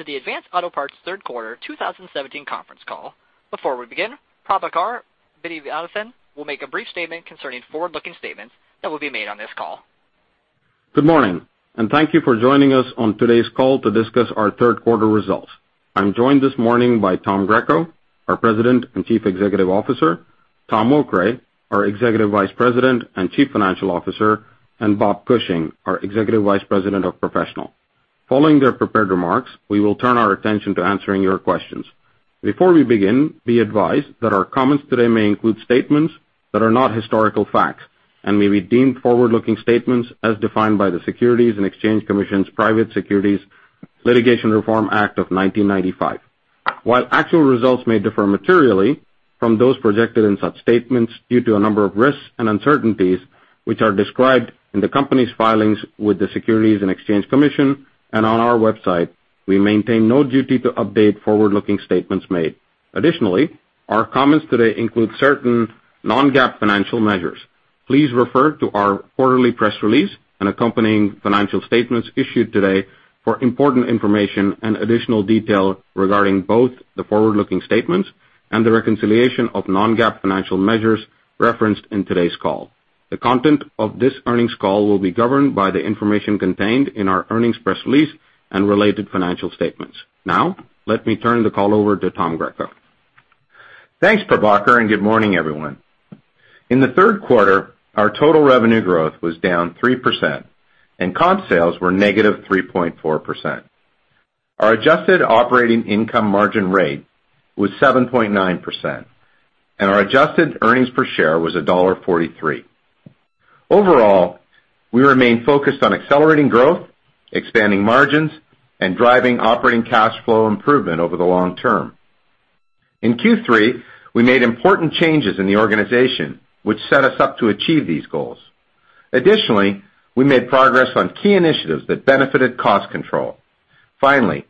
Welcome to the Advance Auto Parts third quarter 2017 conference call. Before we begin, Prabhakar Vaidyanathan will make a brief statement concerning forward-looking statements that will be made on this call. Good morning. Thank you for joining us on today's call to discuss our third quarter results. I'm joined this morning by Tom Greco, our President and Chief Executive Officer, Tom Okray, our Executive Vice President and Chief Financial Officer, and Bob Cushing, our Executive Vice President of Professional. Following their prepared remarks, we will turn our attention to answering your questions. Before we begin, be advised that our comments today may include statements that are not historical facts and may be deemed forward-looking statements as defined by the Securities and Exchange Commission's Private Securities Litigation Reform Act of 1995. While actual results may differ materially from those projected in such statements due to a number of risks and uncertainties, which are described in the company's filings with the Securities and Exchange Commission and on our website, we maintain no duty to update forward-looking statements made. Additionally, our comments today include certain non-GAAP financial measures. Please refer to our quarterly press release and accompanying financial statements issued today for important information and additional detail regarding both the forward-looking statements and the reconciliation of non-GAAP financial measures referenced in today's call. The content of this earnings call will be governed by the information contained in our earnings press release and related financial statements. Let me turn the call over to Tom Greco. Thanks, Prabhakar. Good morning, everyone. In the third quarter, our total revenue growth was down 3%, and comp sales were -3.4%. Our adjusted operating income margin rate was 7.9%, and our adjusted earnings per share was $1.43. Overall, we remain focused on accelerating growth, expanding margins, and driving operating cash flow improvement over the long term. In Q3, we made important changes in the organization, which set us up to achieve these goals. Additionally, we made progress on key initiatives that benefited cost control. Finally,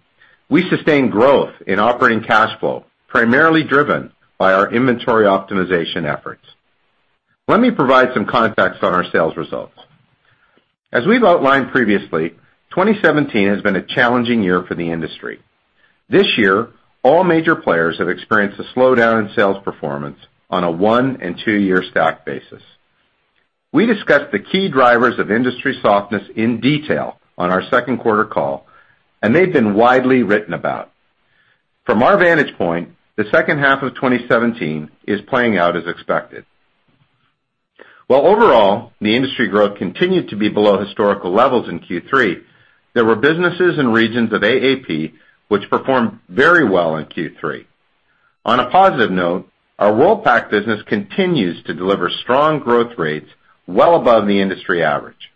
we sustained growth in operating cash flow, primarily driven by our inventory optimization efforts. Let me provide some context on our sales results. As we've outlined previously, 2017 has been a challenging year for the industry. This year, all major players have experienced a slowdown in sales performance on a one and two-year stock basis. We discussed the key drivers of industry softness in detail on our second quarter call. They've been widely written about. From our vantage point, the second half of 2017 is playing out as expected. Overall, the industry growth continued to be below historical levels in Q3, there were businesses and regions of AAP which performed very well in Q3. On a positive note, our Worldpac business continues to deliver strong growth rates well above the industry average.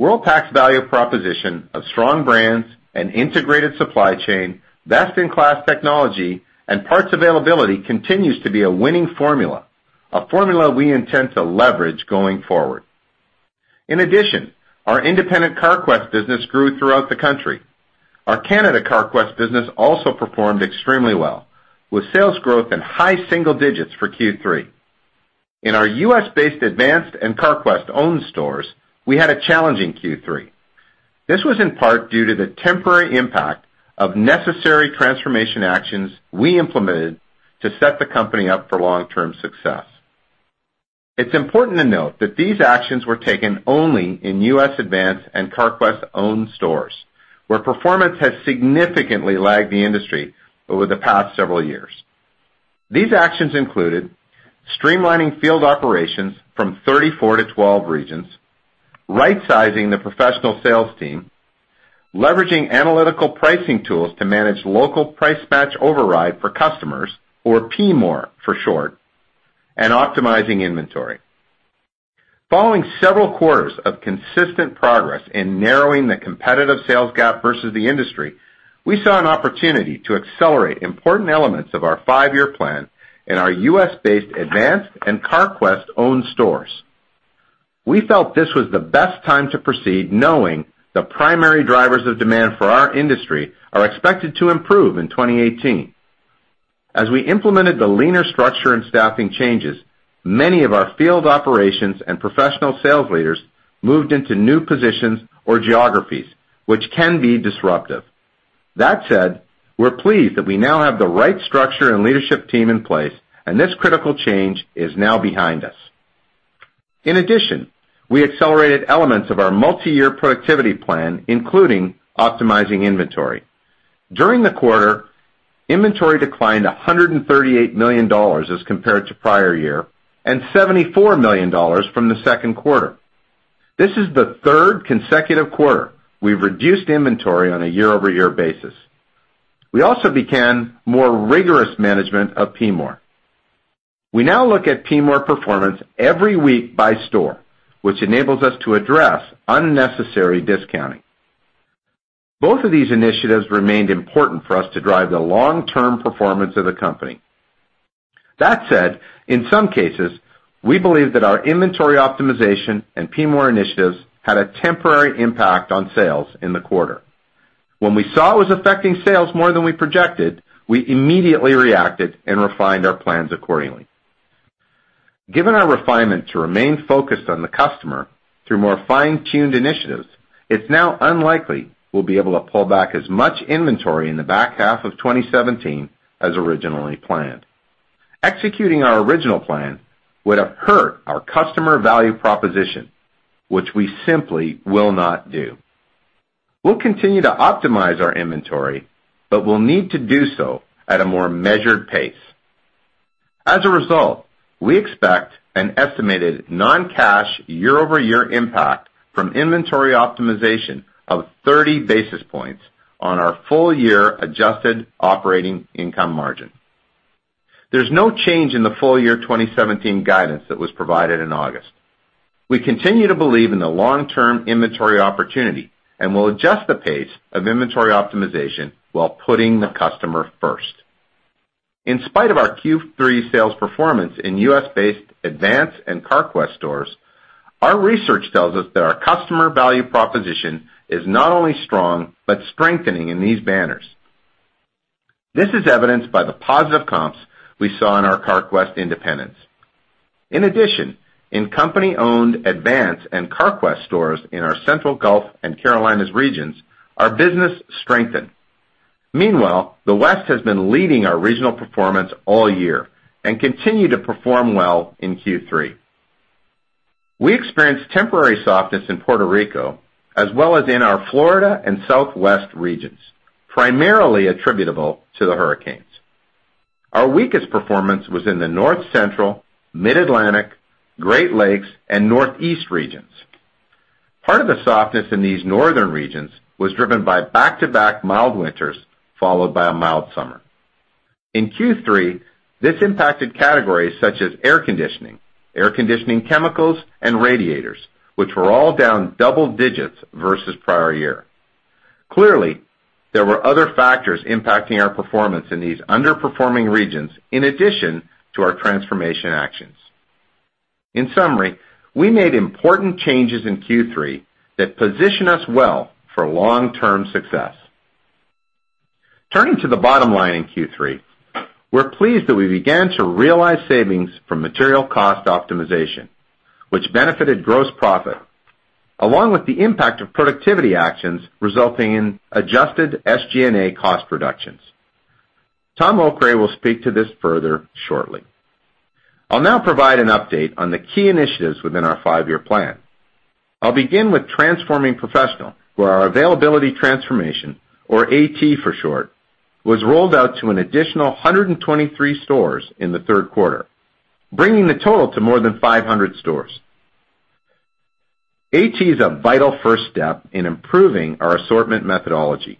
Worldpac's value proposition of strong brands and integrated supply chain, best-in-class technology, and parts availability continues to be a winning formula, a formula we intend to leverage going forward. In addition, our independent Carquest business grew throughout the country. Our Canada Carquest business also performed extremely well, with sales growth in high single digits for Q3. In our U.S.-based Advance and Carquest-owned stores, we had a challenging Q3. This was in part due to the temporary impact of necessary transformation actions we implemented to set the company up for long-term success. It's important to note that these actions were taken only in U.S. Advance and Carquest-owned stores, where performance has significantly lagged the industry over the past several years. These actions included streamlining field operations from 34 to 12 regions, right-sizing the professional sales team, leveraging analytical pricing tools to manage local price match override for customers, or PMOR for short, and optimizing inventory. Following several quarters of consistent progress in narrowing the competitive sales gap versus the industry, we saw an opportunity to accelerate important elements of our five-year plan in our U.S.-based Advance and Carquest-owned stores. We felt this was the best time to proceed, knowing the primary drivers of demand for our industry are expected to improve in 2018. As we implemented the leaner structure and staffing changes, many of our field operations and professional sales leaders moved into new positions or geographies, which can be disruptive. That said, we're pleased that we now have the right structure and leadership team in place, and this critical change is now behind us. We accelerated elements of our multi-year productivity plan, including optimizing inventory. During the quarter, inventory declined $138 million as compared to prior year, and $74 million from the second quarter. This is the third consecutive quarter we've reduced inventory on a year-over-year basis. We also began more rigorous management of PMOR. We now look at PMOR performance every week by store, which enables us to address unnecessary discounting. Both of these initiatives remained important for us to drive the long-term performance of the company. That said, in some cases, we believe that our inventory optimization and PMOR initiatives had a temporary impact on sales in the quarter. When we saw it was affecting sales more than we projected, we immediately reacted and refined our plans accordingly. Given our refinement to remain focused on the customer through more fine-tuned initiatives, it's now unlikely we'll be able to pull back as much inventory in the back half of 2017 as originally planned. Executing our original plan would have hurt our customer value proposition, which we simply will not do. We'll continue to optimize our inventory, but we'll need to do so at a more measured pace. As a result, we expect an estimated non-cash year-over-year impact from inventory optimization of 30 basis points on our full year adjusted operating income margin. There's no change in the full year 2017 guidance that was provided in August. We continue to believe in the long-term inventory opportunity and will adjust the pace of inventory optimization while putting the customer first. In spite of our Q3 sales performance in U.S.-based Advance and Carquest stores, our research tells us that our customer value proposition is not only strong, but strengthening in these banners. This is evidenced by the positive comps we saw in our Carquest independents. In addition, in company-owned Advance and Carquest stores in our Central Gulf and Carolinas regions, our business strengthened. Meanwhile, the West has been leading our regional performance all year and continue to perform well in Q3. We experienced temporary softness in Puerto Rico as well as in our Florida and Southwest regions, primarily attributable to the hurricanes. Our weakest performance was in the North Central, Mid-Atlantic, Great Lakes, and Northeast regions. Part of the softness in these northern regions was driven by back-to-back mild winters, followed by a mild summer. In Q3, this impacted categories such as air conditioning, air conditioning chemicals, and radiators, which were all down double digits versus prior year. Clearly, there were other factors impacting our performance in these underperforming regions in addition to our transformation actions. In summary, we made important changes in Q3 that position us well for long-term success. Turning to the bottom line in Q3, we're pleased that we began to realize savings from material cost optimization, which benefited gross profit, along with the impact of productivity actions resulting in adjusted SG&A cost reductions. Tom Okray will speak to this further shortly. I'll now provide an update on the key initiatives within our five-year plan. I'll begin with transforming professional, where our availability transformation, or AT for short, was rolled out to an additional 123 stores in the third quarter, bringing the total to more than 500 stores. AT is a vital first step in improving our assortment methodology.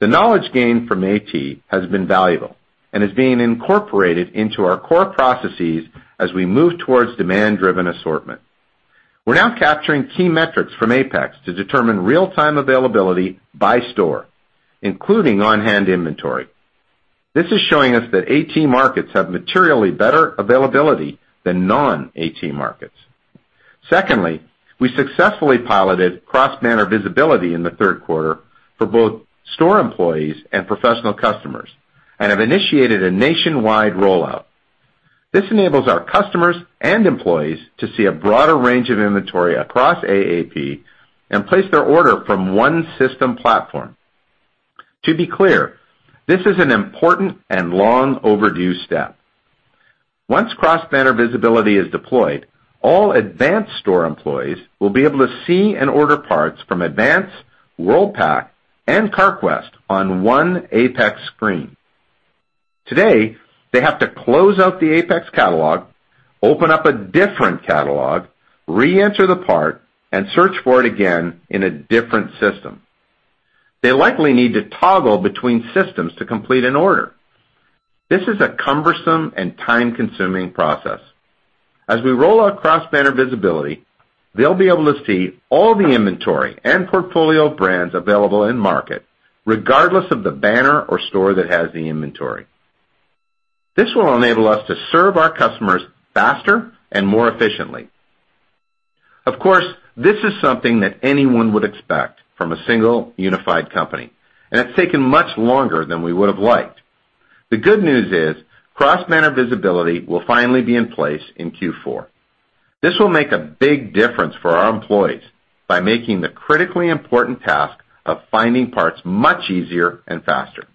The knowledge gained from AT has been valuable and is being incorporated into our core processes as we move towards demand-driven assortment. We're now capturing key metrics from Apex to determine real-time availability by store, including on-hand inventory. This is showing us that AT markets have materially better availability than non-AT markets. Secondly, we successfully piloted cross-banner visibility in the third quarter for both store employees and professional customers and have initiated a nationwide rollout. This enables our customers and employees to see a broader range of inventory across AAP and place their order from one system platform. To be clear, this is an important and long overdue step. Once cross-banner visibility is deployed, all Advance store employees will be able to see and order parts from Advance, Worldpac, and Carquest on one Apex screen. Today, they have to close out the Apex catalog, open up a different catalog, re-enter the part, and search for it again in a different system. They likely need to toggle between systems to complete an order. This is a cumbersome and time-consuming process. As we roll out cross-banner visibility, they'll be able to see all the inventory and portfolio brands available in market, regardless of the banner or store that has the inventory. This will enable us to serve our customers faster and more efficiently. Of course, this is something that anyone would expect from a single unified company, and it's taken much longer than we would have liked. The good news is cross-banner visibility will finally be in place in Q4. This will make a big difference for our employees by making the critically important task of finding parts much easier and faster.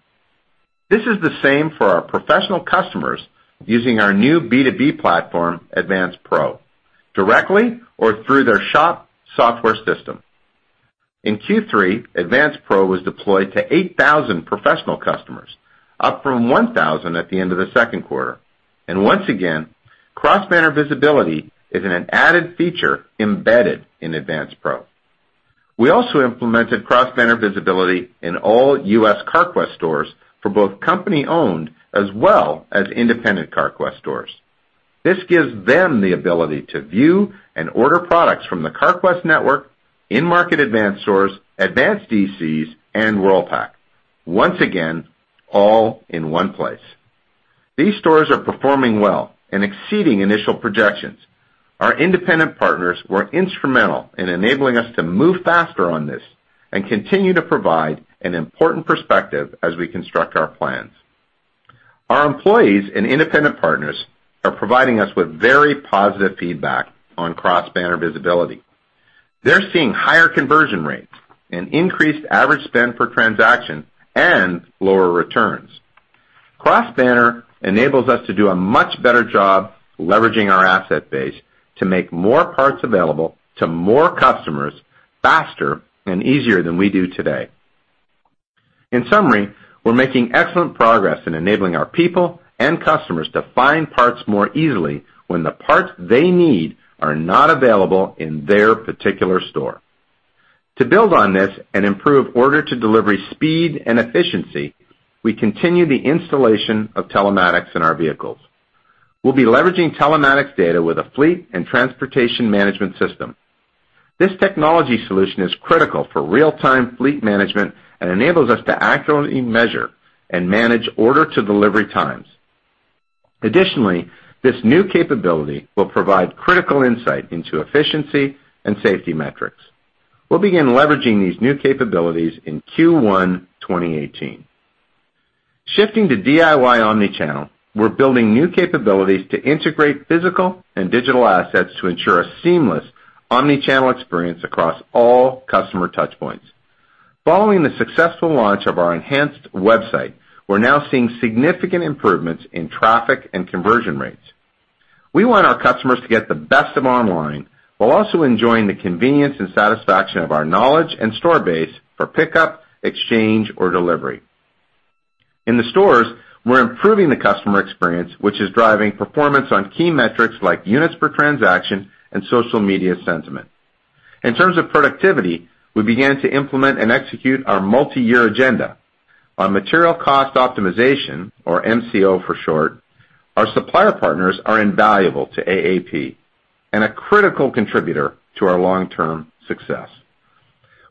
This is the same for our professional customers using our new B2B platform, Advance Pro, directly or through their shop software system. In Q3, Advance Pro was deployed to 8,000 professional customers, up from 1,000 at the end of the second quarter. Once again, cross-banner visibility is an added feature embedded in Advance Pro. We also implemented cross-banner visibility in all U.S. Carquest stores for both company-owned as well as independent Carquest stores. This gives them the ability to view and order products from the Carquest network, in-market Advance stores, Advance DCs, and Worldpac. Once again, all in one place. These stores are performing well and exceeding initial projections. Our independent partners were instrumental in enabling us to move faster on this and continue to provide an important perspective as we construct our plans. Our employees and independent partners are providing us with very positive feedback on cross-banner visibility. They're seeing higher conversion rates, an increased average spend per transaction, and lower returns. Cross-banner enables us to do a much better job leveraging our asset base to make more parts available to more customers faster and easier than we do today. In summary, we're making excellent progress in enabling our people and customers to find parts more easily when the parts they need are not available in their particular store. To build on this and improve order-to-delivery speed and efficiency, we continue the installation of telematics in our vehicles. We'll be leveraging telematics data with a fleet and transportation management system. This technology solution is critical for real-time fleet management and enables us to accurately measure and manage order-to-delivery times. Additionally, this new capability will provide critical insight into efficiency and safety metrics. We'll begin leveraging these new capabilities in Q1 2018. Shifting to DIY omni-channel, we're building new capabilities to integrate physical and digital assets to ensure a seamless omni-channel experience across all customer touchpoints. Following the successful launch of our enhanced website, we're now seeing significant improvements in traffic and conversion rates. We want our customers to get the best of online while also enjoying the convenience and satisfaction of our knowledge and store base for pickup, exchange, or delivery. In the stores, we're improving the customer experience, which is driving performance on key metrics like units per transaction and social media sentiment. In terms of productivity, we began to implement and execute our multi-year agenda on material cost optimization, or MCO for short. Our supplier partners are invaluable to AAP and a critical contributor to our long-term success.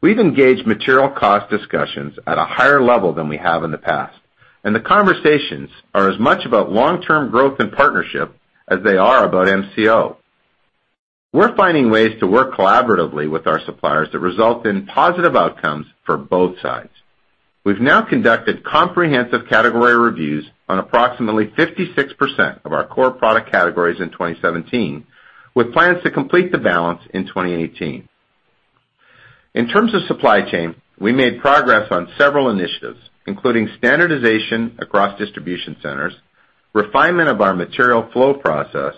We've engaged material cost discussions at a higher level than we have in the past, and the conversations are as much about long-term growth and partnership as they are about MCO. We're finding ways to work collaboratively with our suppliers that result in positive outcomes for both sides. We've now conducted comprehensive category reviews on approximately 56% of our core product categories in 2017, with plans to complete the balance in 2018. In terms of supply chain, we made progress on several initiatives, including standardization across distribution centers, refinement of our material flow process,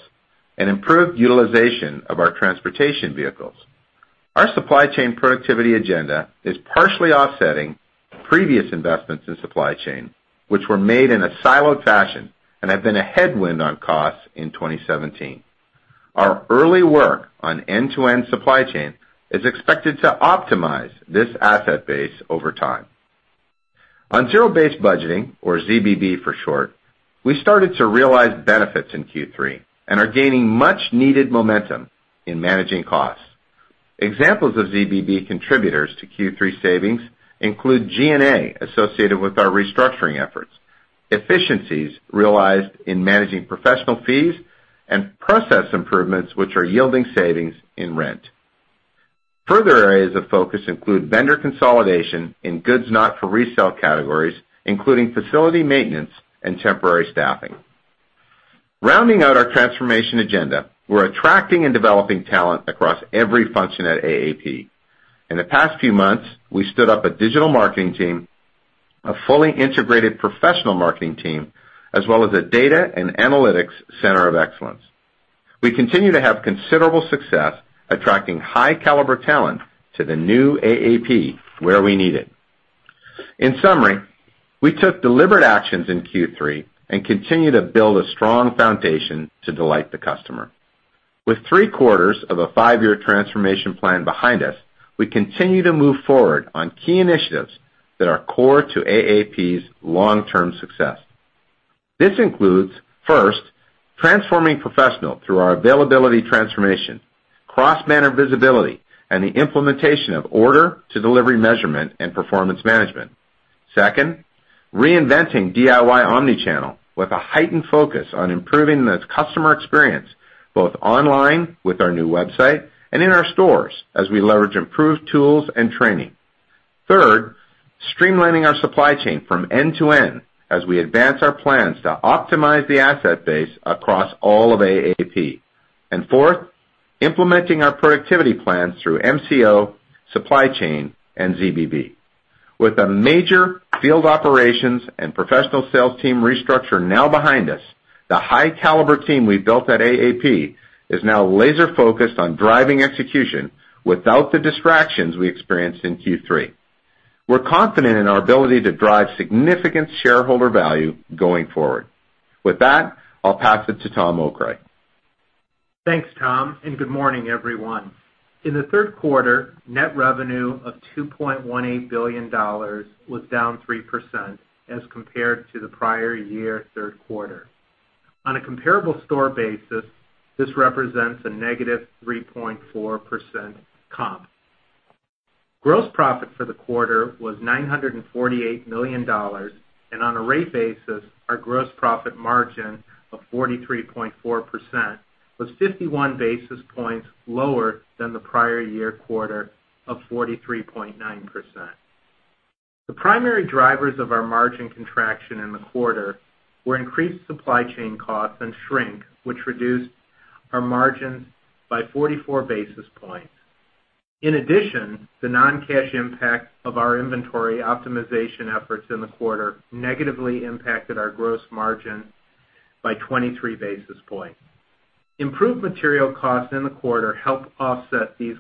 and improved utilization of our transportation vehicles. Our supply chain productivity agenda is partially offsetting previous investments in supply chain, which were made in a siloed fashion and have been a headwind on costs in 2017. Our early work on end-to-end supply chain is expected to optimize this asset base over time. On zero-based budgeting, or ZBB for short, we started to realize benefits in Q3 and are gaining much needed momentum in managing costs. Examples of ZBB contributors to Q3 savings include G&A associated with our restructuring efforts, efficiencies realized in managing professional fees, and process improvements which are yielding savings in rent. Further areas of focus include vendor consolidation in goods not for resale categories including facility maintenance and temporary staffing. Rounding out our transformation agenda, we're attracting and developing talent across every function at AAP. In the past few months, we stood up a digital marketing team, a fully integrated professional marketing team, as well as a data and analytics center of excellence. We continue to have considerable success attracting high caliber talent to the new AAP where we need it. In summary, we took deliberate actions in Q3 and continue to build a strong foundation to delight the customer. With three quarters of a five-year transformation plan behind us, we continue to move forward on key initiatives that are core to AAP's long-term success. This includes, first, transforming professional through our availability transformation, cross-banner visibility, and the implementation of order-to-delivery measurement and performance management. Second, reinventing DIY omni-channel with a heightened focus on improving the customer experience both online with our new website and in our stores as we leverage improved tools and training. Third, streamlining our supply chain from end to end as we advance our plans to optimize the asset base across all of AAP. Fourth, implementing our productivity plans through MCO, supply chain, and ZBB. With a major field operations and professional sales team restructure now behind us, the high caliber team we've built at AAP is now laser focused on driving execution without the distractions we experienced in Q3. We're confident in our ability to drive significant shareholder value going forward. With that, I'll pass it to Tom Okray. Thanks, Tom, and good morning, everyone. In the third quarter, net revenue of $2.18 billion was down 3% as compared to the prior year third quarter. On a comparable store basis, this represents a negative 3.4% comp. Gross profit for the quarter was $948 million, and on a rate basis, our gross profit margin of 43.4% was 51 basis points lower than the prior year quarter of 43.9%. The primary drivers of our margin contraction in the quarter were increased supply chain costs and shrink, which reduced our margins by 44 basis points. In addition, the non-cash impact of our inventory optimization efforts in the quarter negatively impacted our gross margin by 23 basis points. Improved material costs in the quarter helped offset these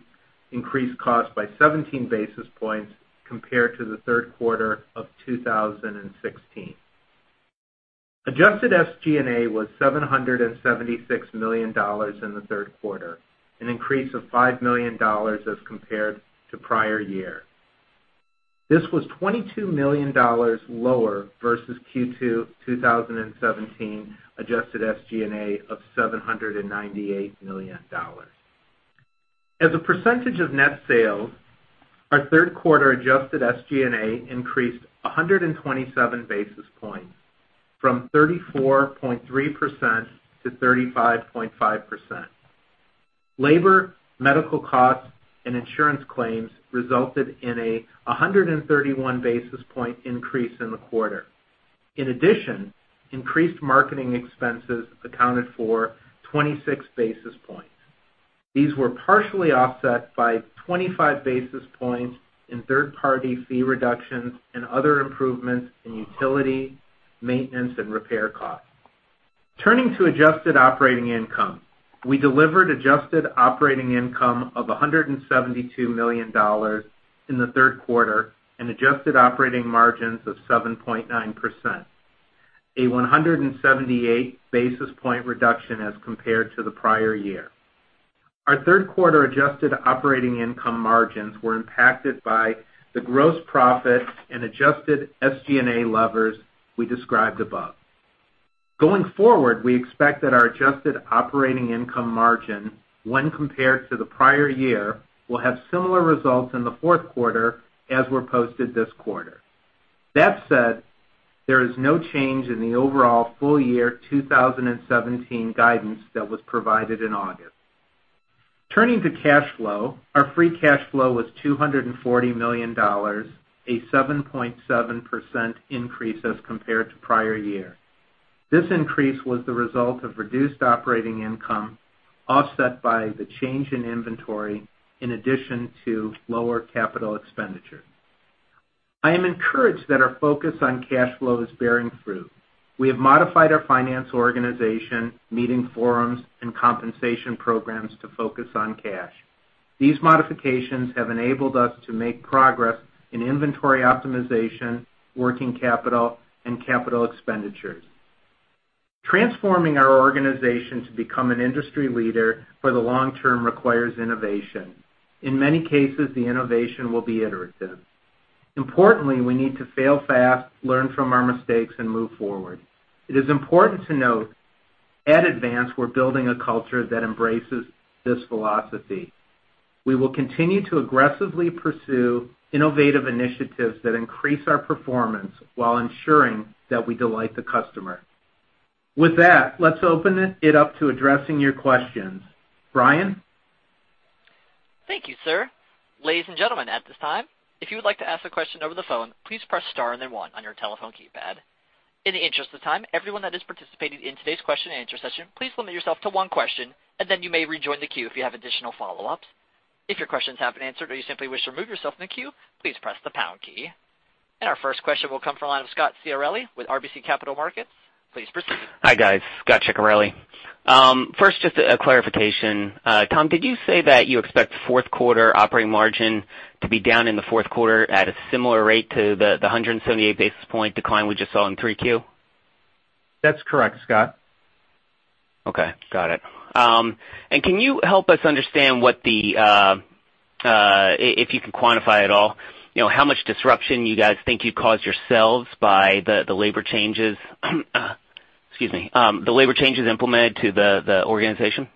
increased costs by 17 basis points compared to the third quarter of 2016. Adjusted SG&A was $776 million in the third quarter, an increase of $5 million as compared to prior year. This was $22 million lower versus Q2 2017 adjusted SG&A of $798 million. As a percentage of net sales, our third quarter adjusted SG&A increased 127 basis points from 34.3% to 35.5%. Labor, medical costs, and insurance claims resulted in a 131 basis point increase in the quarter. In addition, increased marketing expenses accounted for 26 basis points. These were partially offset by 25 basis points in third-party fee reductions and other improvements in utility, maintenance, and repair costs. Turning to adjusted operating income. We delivered adjusted operating income of $172 million in the third quarter and adjusted operating margins of 7.9%, a 178 basis point reduction as compared to the prior year. Our third quarter adjusted operating income margins were impacted by the gross profit and adjusted SG&A levers we described above. Going forward, we expect that our adjusted operating income margin, when compared to the prior year, will have similar results in the fourth quarter as were posted this quarter. That said, there is no change in the overall full year 2017 guidance that was provided in August. Turning to cash flow, our free cash flow was $240 million, a 7.7% increase as compared to prior year. This increase was the result of reduced operating income offset by the change in inventory in addition to lower capital expenditure. I am encouraged that our focus on cash flow is bearing fruit. We have modified our finance organization, meeting forums, and compensation programs to focus on cash. These modifications have enabled us to make progress in inventory optimization, working capital, and capital expenditures. Transforming our organization to become an industry leader for the long term requires innovation. In many cases, the innovation will be iterative. Importantly, we need to fail fast, learn from our mistakes, and move forward. It is important to note, at Advance, we're building a culture that embraces this philosophy. We will continue to aggressively pursue innovative initiatives that increase our performance while ensuring that we delight the customer. With that, let's open it up to addressing your questions. Brian? Thank you, sir. Ladies and gentlemen, at this time, if you would like to ask a question over the phone, please press star and then one on your telephone keypad. In the interest of time, everyone that is participating in today's question and answer session, please limit yourself to one question, then you may rejoin the queue if you have additional follow-ups. If your questions have been answered or you simply wish to remove yourself from the queue, please press the pound key. Our first question will come from the line of Scot Ciccarelli with RBC Capital Markets. Please proceed. Hi, guys. Scot Ciccarelli. First, just a clarification. Tom, did you say that you expect fourth quarter operating margin to be down in the fourth quarter at a similar rate to the 178 basis point decline we just saw in 3 Q? That's correct, Scot. Okay, got it. Can you help us understand, if you can quantify at all, how much disruption you guys think you caused yourselves by the labor changes implemented to the organization?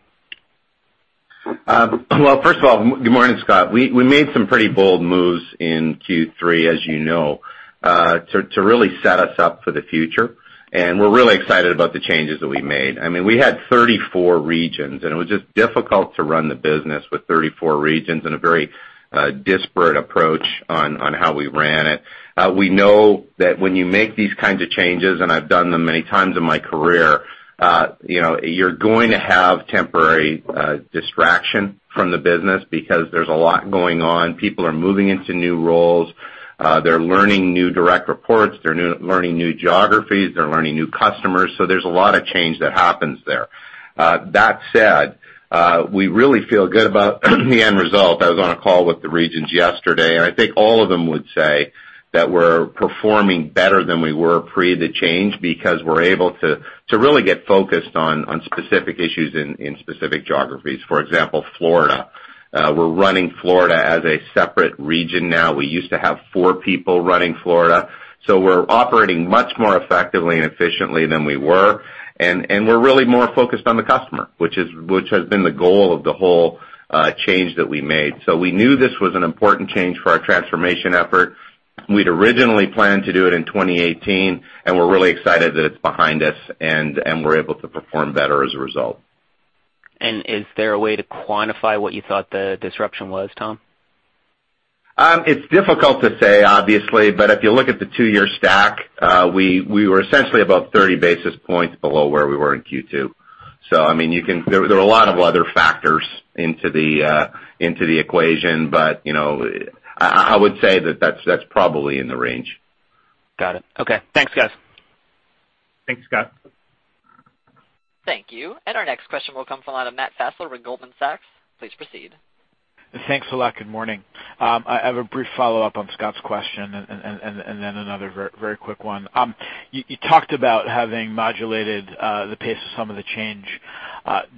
Well, first of all, good morning, Scot. We made some pretty bold moves in Q3, as you know, to really set us up for the future. We're really excited about the changes that we made. We had 34 regions. It was just difficult to run the business with 34 regions and a very disparate approach on how we ran it. We know that when you make these kinds of changes, and I've done them many times in my career, you're going to have temporary distraction from the business because there's a lot going on. People are moving into new roles. They're learning new direct reports. They're learning new geographies. They're learning new customers. There's a lot of change that happens there. That said, we really feel good about the end result. I was on a call with the regions yesterday. I think all of them would say that we're performing better than we were pre the change because we're able to really get focused on specific issues in specific geographies. For example, Florida. We're running Florida as a separate region now. We used to have four people running Florida. We're operating much more effectively and efficiently than we were. We're really more focused on the customer, which has been the goal of the whole change that we made. We knew this was an important change for our transformation effort We'd originally planned to do it in 2018. We're really excited that it's behind us, and we're able to perform better as a result. Is there a way to quantify what you thought the disruption was, Tom? It's difficult to say, obviously. If you look at the two-year stack, we were essentially about 30 basis points below where we were in Q2. There are a lot of other factors into the equation. I would say that that's probably in the range. Got it. Okay. Thanks, guys. Thanks, Scot. Thank you. Our next question will come from the line of Matt Fassler with Goldman Sachs. Please proceed. Thanks a lot. Good morning. I have a brief follow-up on Scot's question and then another very quick one. You talked about having modulated the pace of some of the change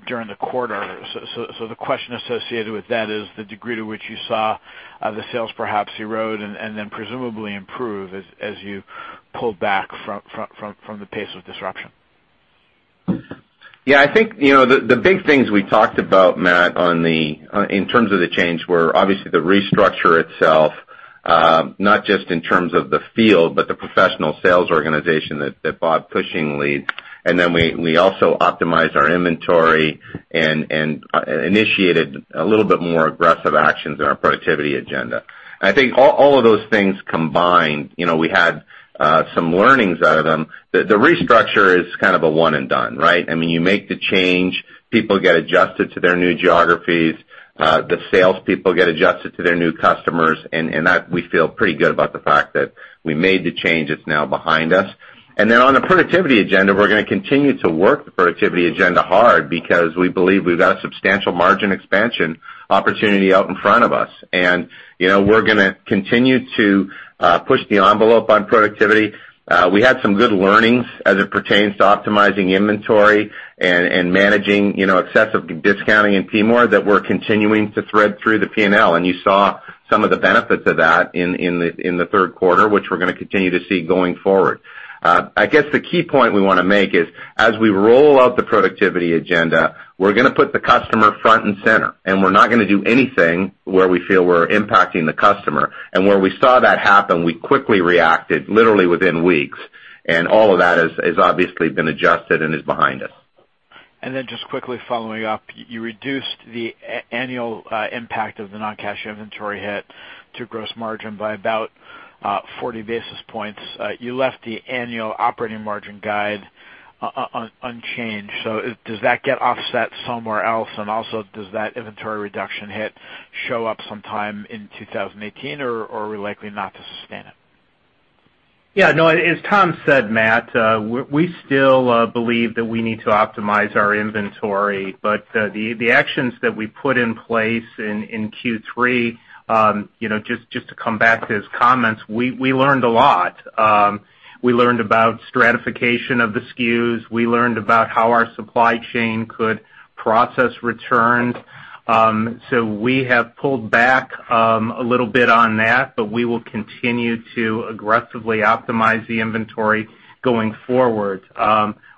during the quarter. The question associated with that is the degree to which you saw the sales perhaps erode and then presumably improve as you pulled back from the pace of disruption. The big things we talked about, Matt, in terms of the change were obviously the restructure itself, not just in terms of the field, but the professional sales organization that Bob Cushing leads. We also optimized our inventory and initiated a little bit more aggressive actions in our productivity agenda. I think all of those things combined, we had some learnings out of them. The restructure is kind of a one-and-done, right? You make the change, people get adjusted to their new geographies, the salespeople get adjusted to their new customers, and we feel pretty good about the fact that we made the change that's now behind us. On the productivity agenda, we're going to continue to work the productivity agenda hard because we believe we've got a substantial margin expansion opportunity out in front of us. We're going to continue to push the envelope on productivity. We had some good learnings as it pertains to optimizing inventory and managing excessive discounting in PMOR that we're continuing to thread through the P&L. You saw some of the benefits of that in the third quarter, which we're going to continue to see going forward. I guess the key point we want to make is, as we roll out the productivity agenda, we're going to put the customer front and center, and we're not going to do anything where we feel we're impacting the customer. Where we saw that happen, we quickly reacted, literally within weeks. All of that has obviously been adjusted and is behind us. Just quickly following up, you reduced the annual impact of the non-cash inventory hit to gross margin by about 40 basis points. You left the annual operating margin guide unchanged. Does that get offset somewhere else? Does that inventory reduction hit show up sometime in 2018, or are we likely not to sustain it? As Tom said, Matt, we still believe that we need to optimize our inventory. The actions that we put in place in Q3, just to come back to his comments, we learned a lot. We learned about stratification of the SKUs. We learned about how our supply chain could process returns. We have pulled back a little bit on that, but we will continue to aggressively optimize the inventory going forward.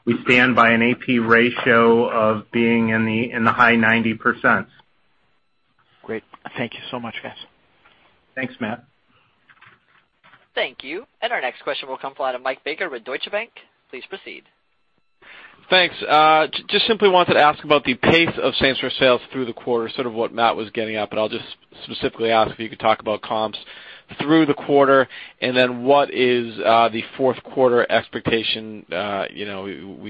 We stand by an AP ratio of being in the high 90%. Great. Thank you so much, guys. Thanks, Matt. Thank you. Our next question will come from the line of Michael Baker with Deutsche Bank. Please proceed. Thanks. Just simply wanted to ask about the pace of same-store sales through the quarter, sort of what Matt was getting at. I'll just specifically ask if you could talk about comps through the quarter. What is the fourth quarter expectation? We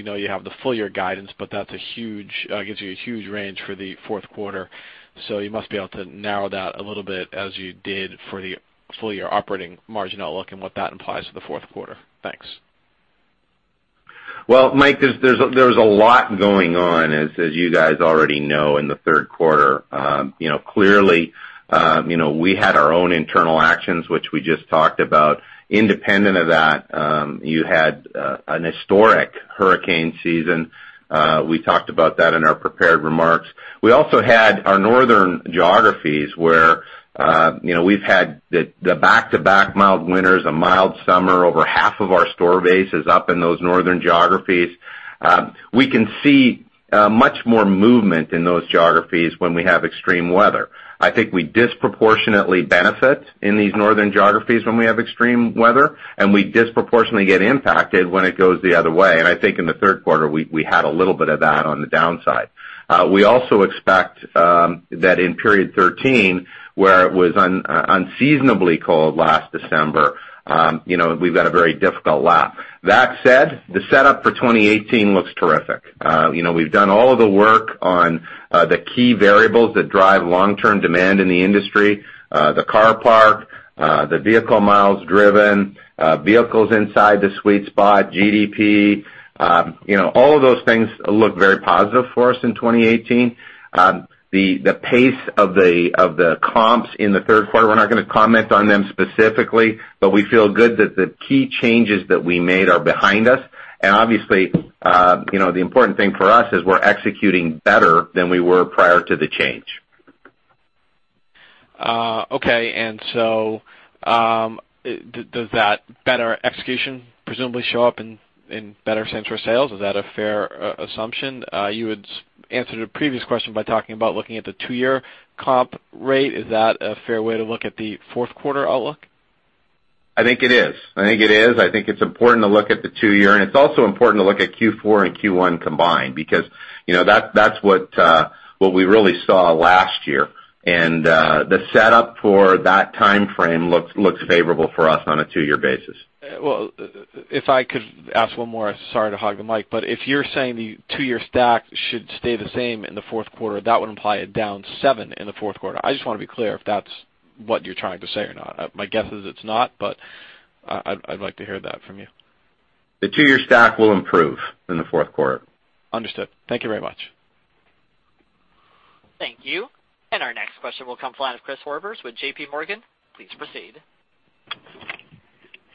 know you have the full-year guidance. That gives you a huge range for the fourth quarter. You must be able to narrow that a little bit as you did for the full-year operating margin outlook and what that implies for the fourth quarter. Thanks. Well, Mike, there's a lot going on, as you guys already know, in the third quarter. Clearly, we had our own internal actions, which we just talked about. Independent of that, you had an historic hurricane season. We talked about that in our prepared remarks. We also had our northern geographies where we've had the back-to-back mild winters, a mild summer. Over half of our store base is up in those northern geographies. We can see much more movement in those geographies when we have extreme weather. I think we disproportionately benefit in these northern geographies when we have extreme weather, and we disproportionately get impacted when it goes the other way. I think in the third quarter, we had a little bit of that on the downside. We also expect that in period 13, where it was unseasonably cold last December, we've got a very difficult lap. That said, the setup for 2018 looks terrific. We've done all of the work on the key variables that drive long-term demand in the industry, the car park, the vehicle miles driven, vehicles inside the sweet spot, GDP, all of those things look very positive for us in 2018. The pace of the comps in the third quarter, we're not going to comment on them specifically, but we feel good that the key changes that we made are behind us. Obviously, the important thing for us is we're executing better than we were prior to the change. Okay. Does that better execution presumably show up in better same-store sales? Is that a fair assumption? You had answered a previous question by talking about looking at the two-year comp rate. Is that a fair way to look at the fourth quarter outlook? I think it is. I think it's important to look at the two-year, it's also important to look at Q4 and Q1 combined because that's what we really saw last year. The setup for that timeframe looks favorable for us on a two-year basis. Well, if I could ask one more. Sorry to hog the mic, but if you're saying the two-year stack should stay the same in the fourth quarter, that would imply a down 7% in the fourth quarter. I just want to be clear if that's what you're trying to say or not. My guess is it's not, but I'd like to hear that from you. The two-year stack will improve in the fourth quarter. Understood. Thank you very much. Thank you. Our next question will come from the line of Chris Horvers with JPMorgan. Please proceed.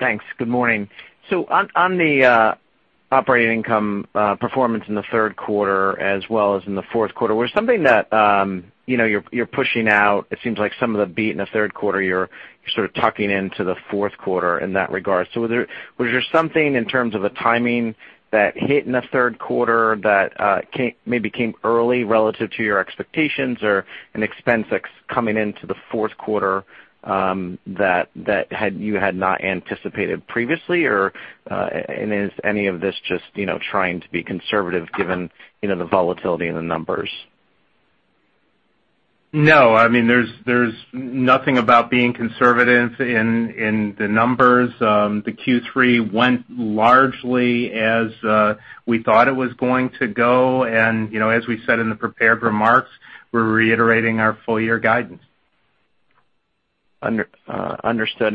Thanks. Good morning. On the operating income performance in the third quarter as well as in the fourth quarter, was something that you're pushing out, it seems like some of the beat in the third quarter, you're sort of tucking into the fourth quarter in that regard. Was there something in terms of a timing that hit in the third quarter that maybe came early relative to your expectations or an expense that's coming into the fourth quarter that you had not anticipated previously? Is any of this just trying to be conservative given the volatility in the numbers? No, there's nothing about being conservative in the numbers. The Q3 went largely as we thought it was going to go. As we said in the prepared remarks, we're reiterating our full year guidance. Understood.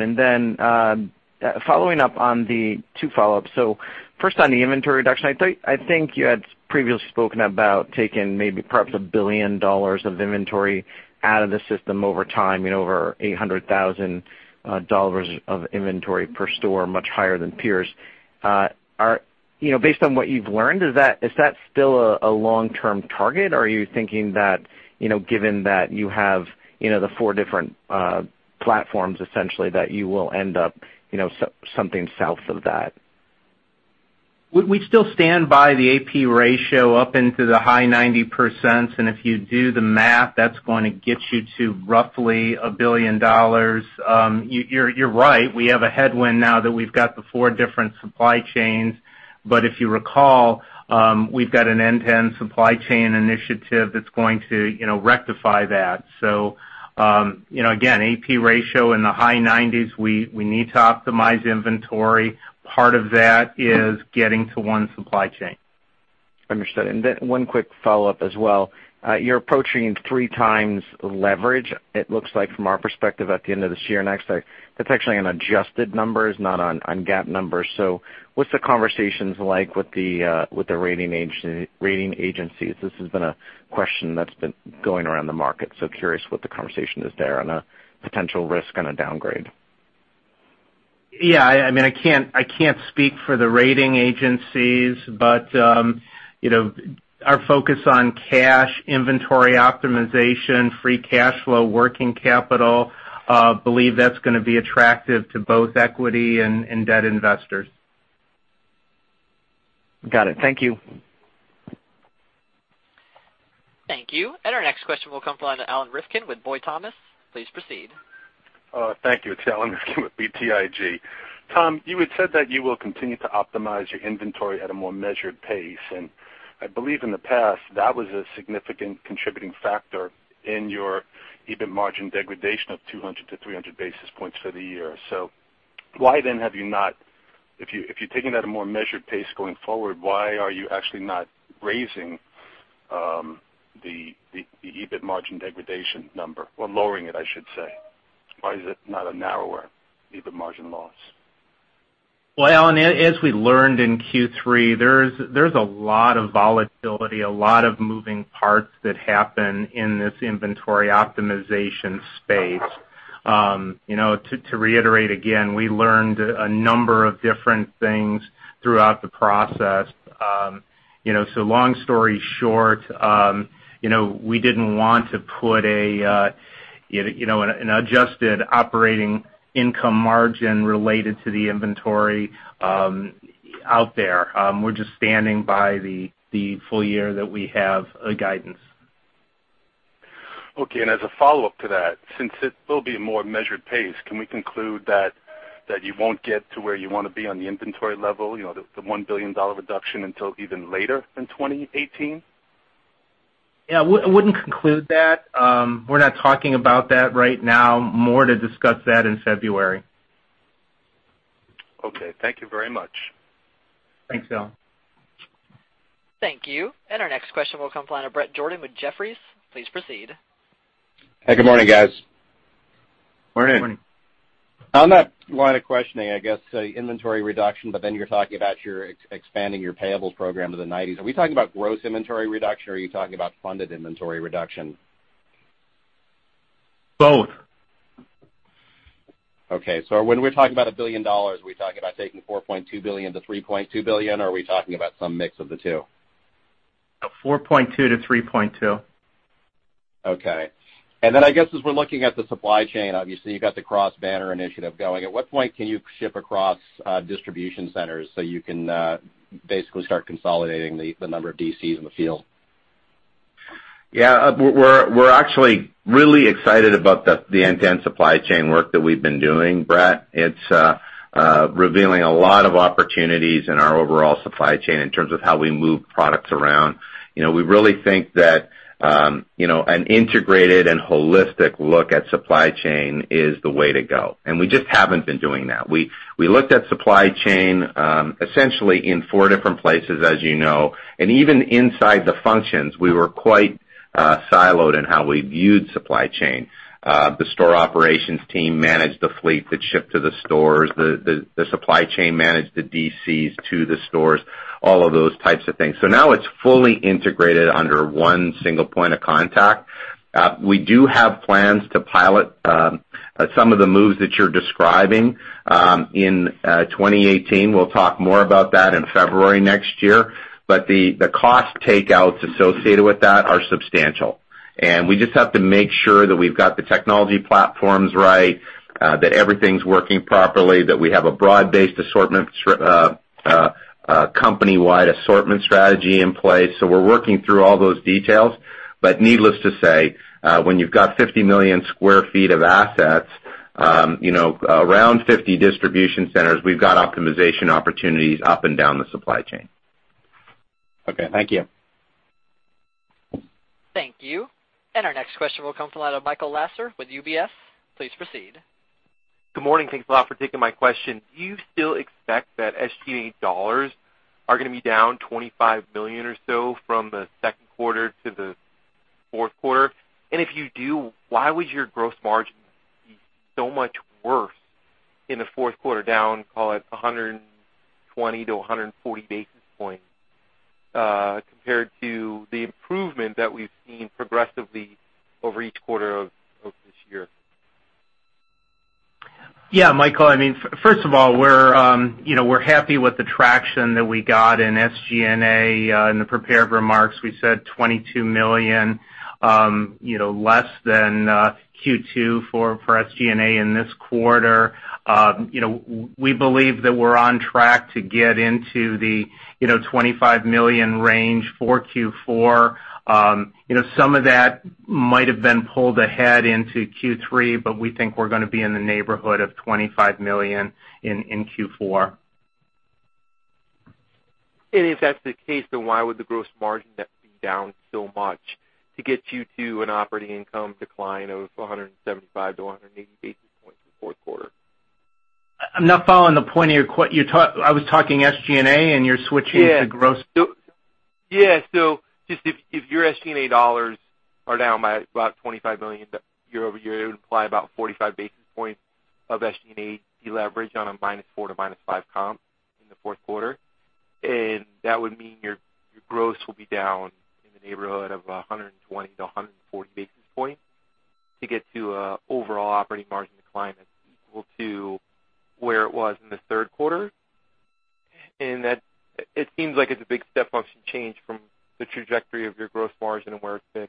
Following up on the two follow-ups. First on the inventory reduction, I think you had previously spoken about taking maybe perhaps $1 billion of inventory out of the system over time, over $800,000 of inventory per store, much higher than peers. Based on what you've learned, is that still a long-term target, or are you thinking that given that you have the four different platforms essentially that you will end up something south of that? We still stand by the AP ratio up into the high 90%. If you do the math, that's going to get you to roughly $1 billion. You're right. We have a headwind now that we've got the four different supply chains. If you recall, we've got an end-to-end supply chain initiative that's going to rectify that. Again, AP ratio in the high 90s, we need to optimize inventory. Part of that is getting to one supply chain. Understood. One quick follow-up as well. You're approaching three times leverage, it looks like from our perspective at the end of this year. That's actually on adjusted numbers, not on GAAP numbers. What's the conversations like with the rating agencies? This has been a question that's been going around the market, so curious what the conversation is there on a potential risk on a downgrade. I can't speak for the rating agencies, but our focus on cash inventory optimization, free cash flow, working capital, believe that's going to be attractive to both equity and debt investors. Got it. Thank you. Thank you. Our next question will come from the line of Alan Rifkin with BTIG. Please proceed. Thank you. It's Alan Rifkin with BTIG. Tom, you had said that you will continue to optimize your inventory at a more measured pace, and I believe in the past, that was a significant contributing factor in your EBIT margin degradation of 200-300 basis points for the year. Why then have you not, if you're taking that a more measured pace going forward, why are you actually not raising the EBIT margin degradation number? Or lowering it, I should say. Why is it not a narrower EBIT margin loss? Well, Alan, as we learned in Q3, there's a lot of volatility, a lot of moving parts that happen in this inventory optimization space. To reiterate again, we learned a number of different things throughout the process. Long story short, we didn't want to put an adjusted operating income margin related to the inventory out there. We're just standing by the full year that we have a guidance. Okay, as a follow-up to that, since it will be a more measured pace, can we conclude that you won't get to where you want to be on the inventory level, the $1 billion reduction until even later in 2018? Yeah, I wouldn't conclude that. We're not talking about that right now. More to discuss that in February. Okay. Thank you very much. Thanks, Alan. Thank you. Our next question will come from the line of Bret Jordan with Jefferies. Please proceed. Hey, good morning, guys. Morning. On that line of questioning, I guess, inventory reduction, you're talking about expanding your payables program to the 90s. Are we talking about gross inventory reduction or are you talking about funded inventory reduction? Both. Okay. When we're talking about $1 billion, are we talking about taking $4.2 billion to $3.2 billion, or are we talking about some mix of the two? $4.2 billion to $3.2 billion. Okay. I guess as we're looking at the supply chain, obviously you've got the Cross-Banner Initiative going. At what point can you ship across distribution centers so you can basically start consolidating the number of DCs in the field? Yeah. We're actually really excited about the end-to-end supply chain work that we've been doing, Bret. It's revealing a lot of opportunities in our overall supply chain in terms of how we move products around. We really think that an integrated and holistic look at supply chain is the way to go, and we just haven't been doing that. We looked at supply chain, essentially in four different places, as you know. Even inside the functions, we were quite siloed in how we viewed supply chain. The store operations team managed the fleet that shipped to the stores, the supply chain managed the DCs to the stores, all of those types of things. Now it's fully integrated under one single point of contact. We do have plans to pilot some of the moves that you're describing in 2018. We'll talk more about that in February next year. The cost takeouts associated with that are substantial. We just have to make sure that we've got the technology platforms right, that everything's working properly, that we have a broad-based company-wide assortment strategy in place. We're working through all those details. Needless to say, when you've got 50 million sq ft of assets, around 50 distribution centers, we've got optimization opportunities up and down the supply chain. Okay. Thank you. Thank you. Our next question will come from the line of Michael Lasser with UBS. Please proceed. Good morning. Thanks a lot for taking my question. Do you still expect that SG&A dollars are going to be down $25 million or so from the second quarter to the fourth quarter? If you do, why would your gross margin be so much worse in the fourth quarter down, call it 120-140 basis points, compared to the improvement that we've seen progressively over each quarter of this year? Yeah, Michael. First of all, we're happy with the traction that we got in SG&A. In the prepared remarks, we said $22 million less than Q2 for SG&A in this quarter. We believe that we're on track to get into the $25 million range for Q4. Some of that might have been pulled ahead into Q3, but we think we're going to be in the neighborhood of $25 million in Q4. If that's the case, why would the gross margin net be down so much to get you to an operating income decline of 175-180 basis points in the fourth quarter? I'm not following the point. I was talking SG&A, and you're switching to gross. Yeah. If your SG&A dollars are down by about $25 million year-over-year, it would imply about 45 basis points of SG&A deleverage on a -4% to -5% comp in the fourth quarter. That would mean your gross will be down in the neighborhood of 120 to 140 basis points to get to an overall operating margin decline that's equal to where it was in the third quarter. It seems like it's a big step function change from the trajectory of your gross margin and where it's been.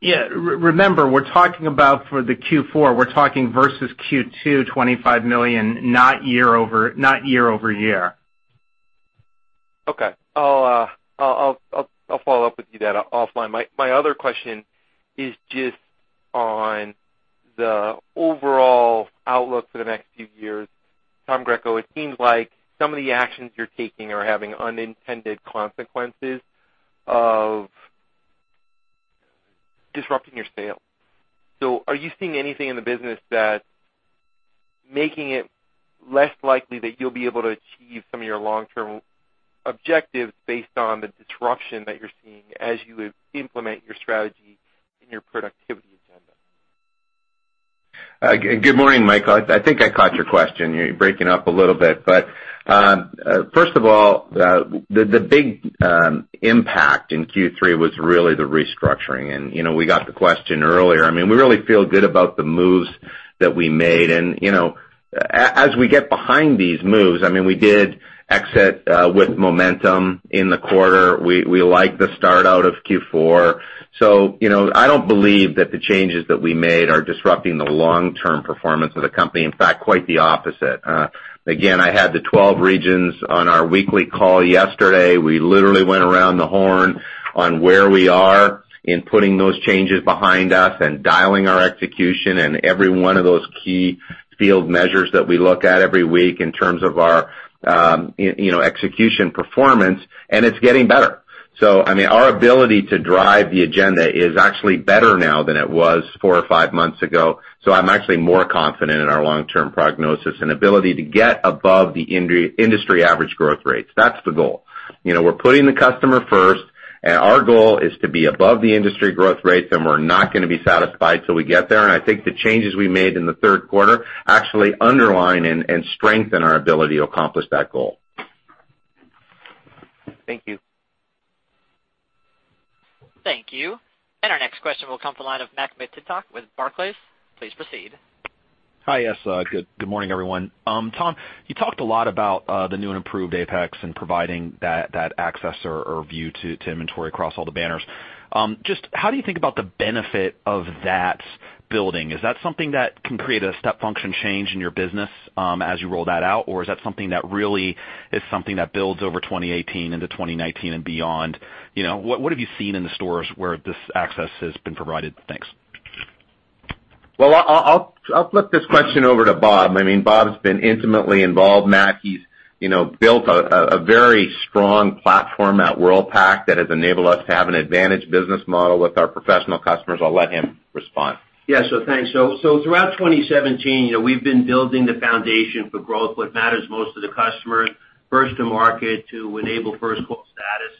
Yeah. Remember, we're talking about for the Q4, we're talking versus Q2 $25 million, not year-over-year. Okay. I'll follow up with you then offline. My other question is just on the overall outlook for the next few years. Tom Greco, it seems like some of the actions you're taking are having unintended consequences of disrupting your sales. Are you seeing anything in the business that making it less likely that you'll be able to achieve some of your long-term objectives based on the disruption that you're seeing as you implement your strategy and your productivity agenda? Good morning, Michael. I think I caught your question. You're breaking up a little bit. First of all, the big impact in Q3 was really the restructuring. We got the question earlier. We really feel good about the moves that we made. As we get behind these moves, we did exit with momentum in the quarter. We like the start out of Q4. I don't believe that the changes that we made are disrupting the long-term performance of the company. In fact, quite the opposite. Again, I had the 12 regions on our weekly call yesterday. We literally went around the horn on where we are in putting those changes behind us and dialing our execution and every one of those key field measures that we look at every week in terms of our execution performance, it's getting better. Our ability to drive the agenda is actually better now than it was four or five months ago. I'm actually more confident in our long-term prognosis and ability to get above the industry average growth rates. That's the goal. We're putting the customer first, our goal is to be above the industry growth rates, we're not going to be satisfied till we get there. I think the changes we made in the third quarter actually underline and strengthen our ability to accomplish that goal. Thank you. Thank you. Our next question will come from the line of Matt McClintock with Barclays. Please proceed. Hi, yes. Good morning, everyone. Tom, you talked a lot about the new and improved Apex and providing that access or view to inventory across all the banners. Just how do you think about the benefit of that building? Is that something that can create a step function change in your business as you roll that out? Or is that something that really is something that builds over 2018 into 2019 and beyond? What have you seen in the stores where this access has been provided? Thanks. I'll flip this question over to Bob. Bob's been intimately involved, Matt. He's built a very strong platform at Worldpac that has enabled us to have an advantage business model with our professional customers. I'll let him respond. Thanks. Throughout 2017, we've been building the foundation for growth, what matters most to the customers, first to market to enable first call status.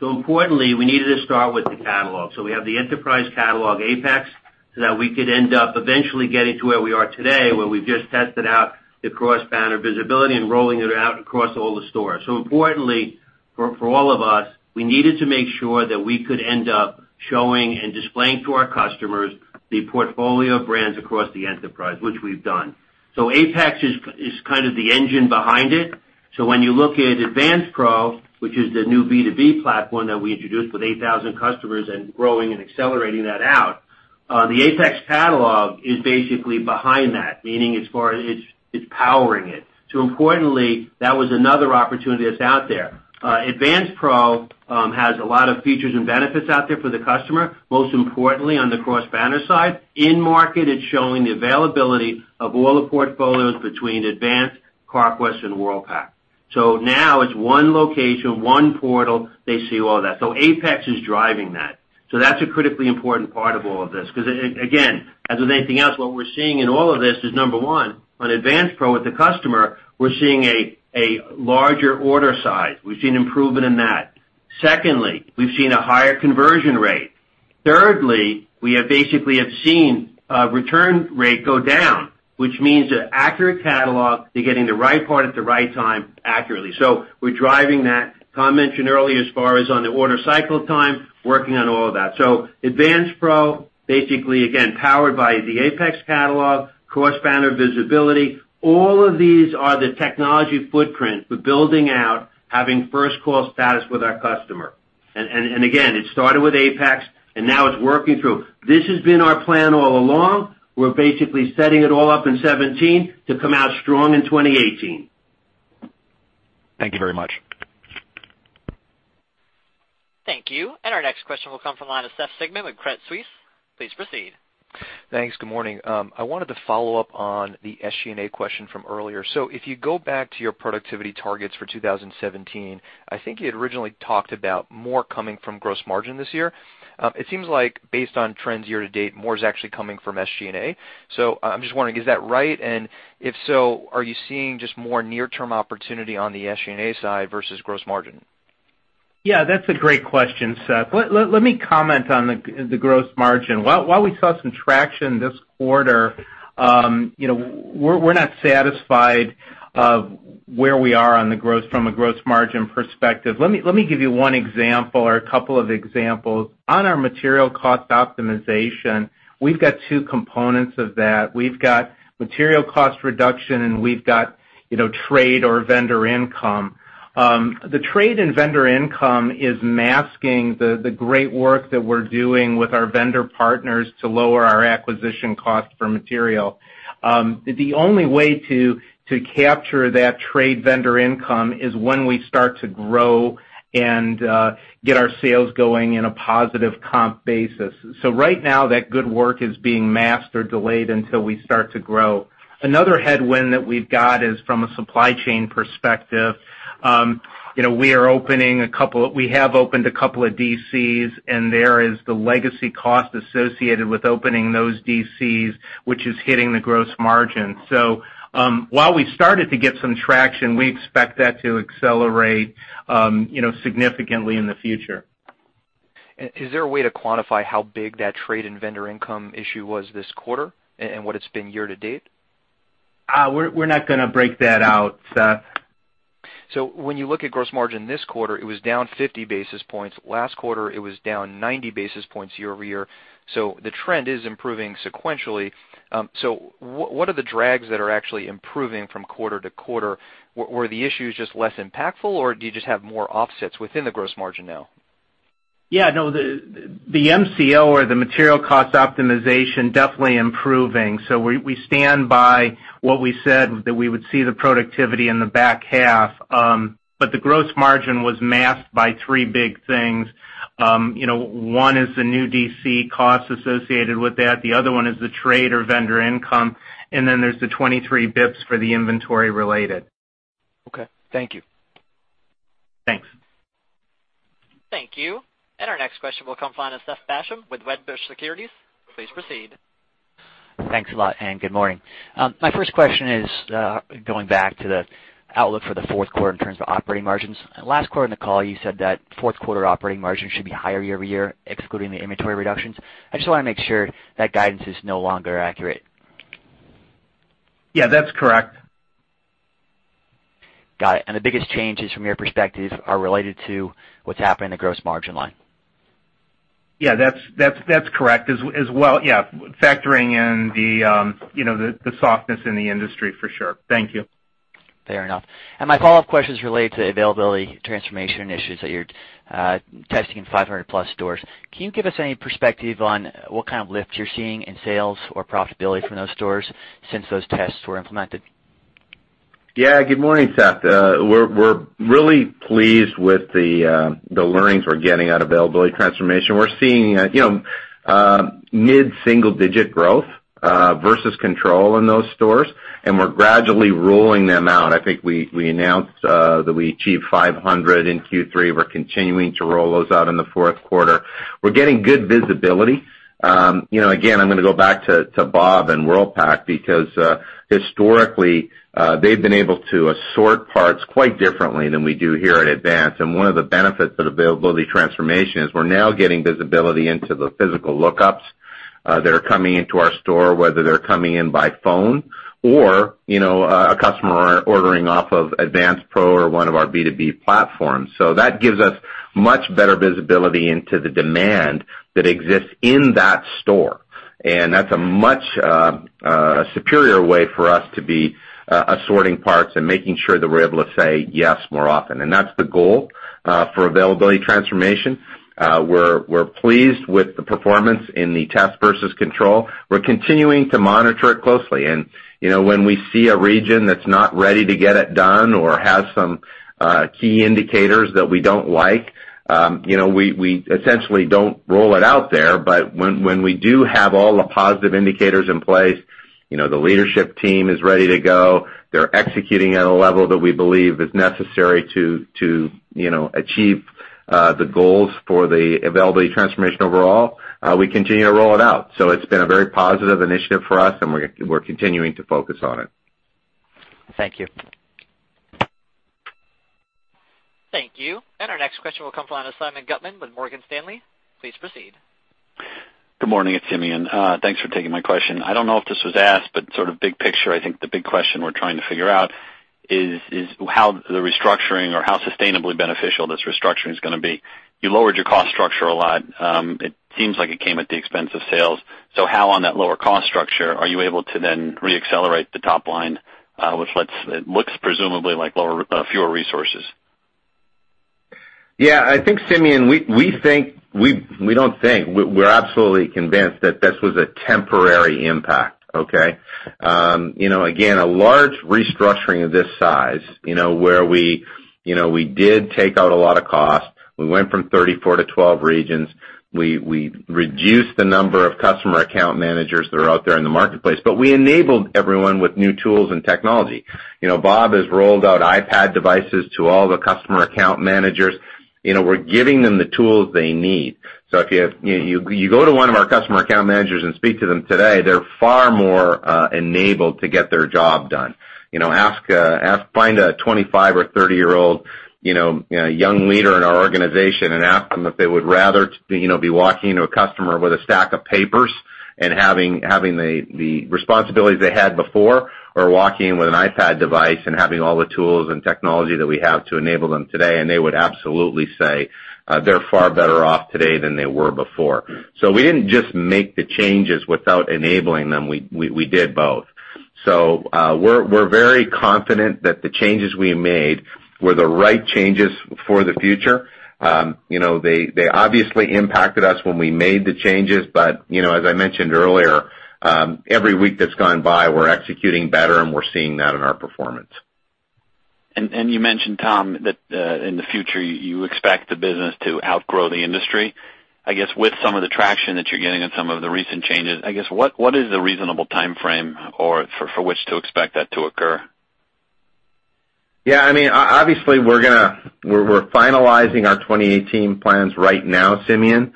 Importantly, we needed to start with the catalog. We have the enterprise catalog, Apex, that we could end up eventually getting to where we are today, where we've just tested out the cross-banner visibility and rolling it out across all the stores. Importantly, for all of us, we needed to make sure that we could end up showing and displaying to our customers the portfolio of brands across the enterprise, which we've done. Apex is kind of the engine behind it. When you look at Advance Pro, which is the new B2B platform that we introduced with 8,000 customers and growing and accelerating that out, the Apex catalog is basically behind that, meaning it's powering it. Importantly, that was another opportunity that's out there. Advance Pro has a lot of features and benefits out there for the customer, most importantly on the cross-banner side. In market, it's showing the availability of all the portfolios between Advance, Carquest, and Worldpac. Now it's one location, one portal. They see all that. Apex is driving that. That's a critically important part of all of this, because, again, as with anything else, what we're seeing in all of this is, number one, on Advance Pro with the customer, we're seeing a larger order size. We've seen improvement in that. Secondly, we've seen a higher conversion rate. Thirdly, we have basically seen return rate go down, which means an accurate catalog, they're getting the right part at the right time accurately. We're driving that. Tom mentioned earlier as far as on the order cycle time, working on all of that. Advance Pro, basically, again, powered by the Apex catalog, cross-banner visibility. All of these are the technology footprint for building out, having first call status with our customer. Again, it started with Apex, now it's working through. This has been our plan all along. We're basically setting it all up in 2017 to come out strong in 2018. Thank you very much. Thank you. Our next question will come from the line of Seth Sigman with Credit Suisse. Please proceed. Thanks. Good morning. I wanted to follow up on the SG&A question from earlier. If you go back to your productivity targets for 2017, I think you had originally talked about more coming from gross margin this year. It seems like based on trends year to date, more is actually coming from SG&A. I'm just wondering, is that right? If so, are you seeing just more near-term opportunity on the SG&A side versus gross margin? Yeah, that's a great question, Seth. Let me comment on the gross margin. While we saw some traction this quarter, we're not satisfied of where we are from a gross margin perspective. Let me give you one example or a couple of examples. On our material cost optimization, we've got two components of that. We've got material cost reduction, and we've got trade or vendor income. The trade and vendor income is masking the great work that we're doing with our vendor partners to lower our acquisition cost for material. The only way to capture that trade vendor income is when we start to grow and get our sales going in a positive comp basis. Right now, that good work is being masked or delayed until we start to grow. Another headwind that we've got is from a supply chain perspective. We have opened a couple of DCs, and there is the legacy cost associated with opening those DCs, which is hitting the gross margin. While we started to get some traction, we expect that to accelerate significantly in the future. Is there a way to quantify how big that trade and vendor income issue was this quarter and what it's been year-to-date? We're not going to break that out, Seth. When you look at gross margin this quarter, it was down 50 basis points. Last quarter, it was down 90 basis points year-over-year. The trend is improving sequentially. What are the drags that are actually improving from quarter-to-quarter? Were the issues just less impactful, or do you just have more offsets within the gross margin now? Yeah, no, the MCO or the material cost optimization definitely improving. We stand by what we said that we would see the productivity in the back half. The gross margin was masked by three big things. One is the new DC costs associated with that. The other one is the trade or vendor income, and then there is the 23 basis points for the inventory related. Okay. Thank you. Thanks. Thank you. Our next question will come from the line of Seth Basham with Wedbush Securities. Please proceed. Thanks a lot, and good morning. My first question is going back to the outlook for the fourth quarter in terms of operating margins. Last quarter in the call, you said that fourth quarter operating margins should be higher year-over-year, excluding the inventory reductions. I just want to make sure that guidance is no longer accurate. Yeah, that's correct. Got it. The biggest changes from your perspective are related to what's happening in the gross margin line? Yeah, that's correct as well. Factoring in the softness in the industry for sure. Thank you. Fair enough. My follow-up question is related to availability transformation initiatives that you're testing in 500-plus stores. Can you give us any perspective on what kind of lift you're seeing in sales or profitability from those stores since those tests were implemented? Good morning, Seth. We're really pleased with the learnings we're getting out of availability transformation. We're seeing mid-single-digit growth versus control in those stores, and we're gradually rolling them out. I think we announced that we achieved 500 in Q3. We're continuing to roll those out in the fourth quarter. We're getting good visibility. Again, I'm going to go back to Bob and Worldpac because historically, they've been able to assort parts quite differently than we do here at Advance Auto Parts. One of the benefits of availability transformation is we're now getting visibility into the physical lookups that are coming into our store, whether they're coming in by phone or a customer ordering off of Advance Pro or one of our B2B platforms. That gives us much better visibility into the demand that exists in that store. That's a much superior way for us to be assorting parts and making sure that we're able to say yes more often. That's the goal for availability transformation. We're pleased with the performance in the test versus control. We're continuing to monitor it closely. When we see a region that's not ready to get it done or has some key indicators that we don't like, we essentially don't roll it out there. When we do have all the positive indicators in place, the leadership team is ready to go, they're executing at a level that we believe is necessary to achieve the goals for the availability transformation overall, we continue to roll it out. It's been a very positive initiative for us, and we're continuing to focus on it. Thank you. Thank you. Our next question will come from the line of Simeon Gutman with Morgan Stanley. Please proceed. Good morning, it's Simeon. Thanks for taking my question. I don't know if this was asked, but sort of big picture, I think the big question we're trying to figure out is how the restructuring or how sustainably beneficial this restructuring is going to be. You lowered your cost structure a lot. It seems like it came at the expense of sales. How on that lower cost structure are you able to then reaccelerate the top line, which looks presumably like fewer resources? I think, Simeon, we're absolutely convinced that this was a temporary impact. Again, a large restructuring of this size, where we did take out a lot of cost. We went from 34 to 12 regions. We reduced the number of customer account managers that are out there in the marketplace, but we enabled everyone with new tools and technology. Bob has rolled out iPad devices to all the customer account managers. We're giving them the tools they need. If you go to one of our customer account managers and speak to them today, they're far more enabled to get their job done. Find a 25 or 30-year-old young leader in our organization and ask them if they would rather be walking to a customer with a stack of papers and having the responsibilities they had before, or walking in with an iPad device and having all the tools and technology that we have to enable them today, and they would absolutely say they're far better off today than they were before. We didn't just make the changes without enabling them. We did both. We're very confident that the changes we made were the right changes for the future. They obviously impacted us when we made the changes, but as I mentioned earlier, every week that's gone by, we're executing better and we're seeing that in our performance. You mentioned, Tom, that in the future, you expect the business to outgrow the industry. I guess with some of the traction that you're getting and some of the recent changes, I guess what is the reasonable timeframe for which to expect that to occur? Yeah. Obviously, we're finalizing our 2018 plans right now, Simeon.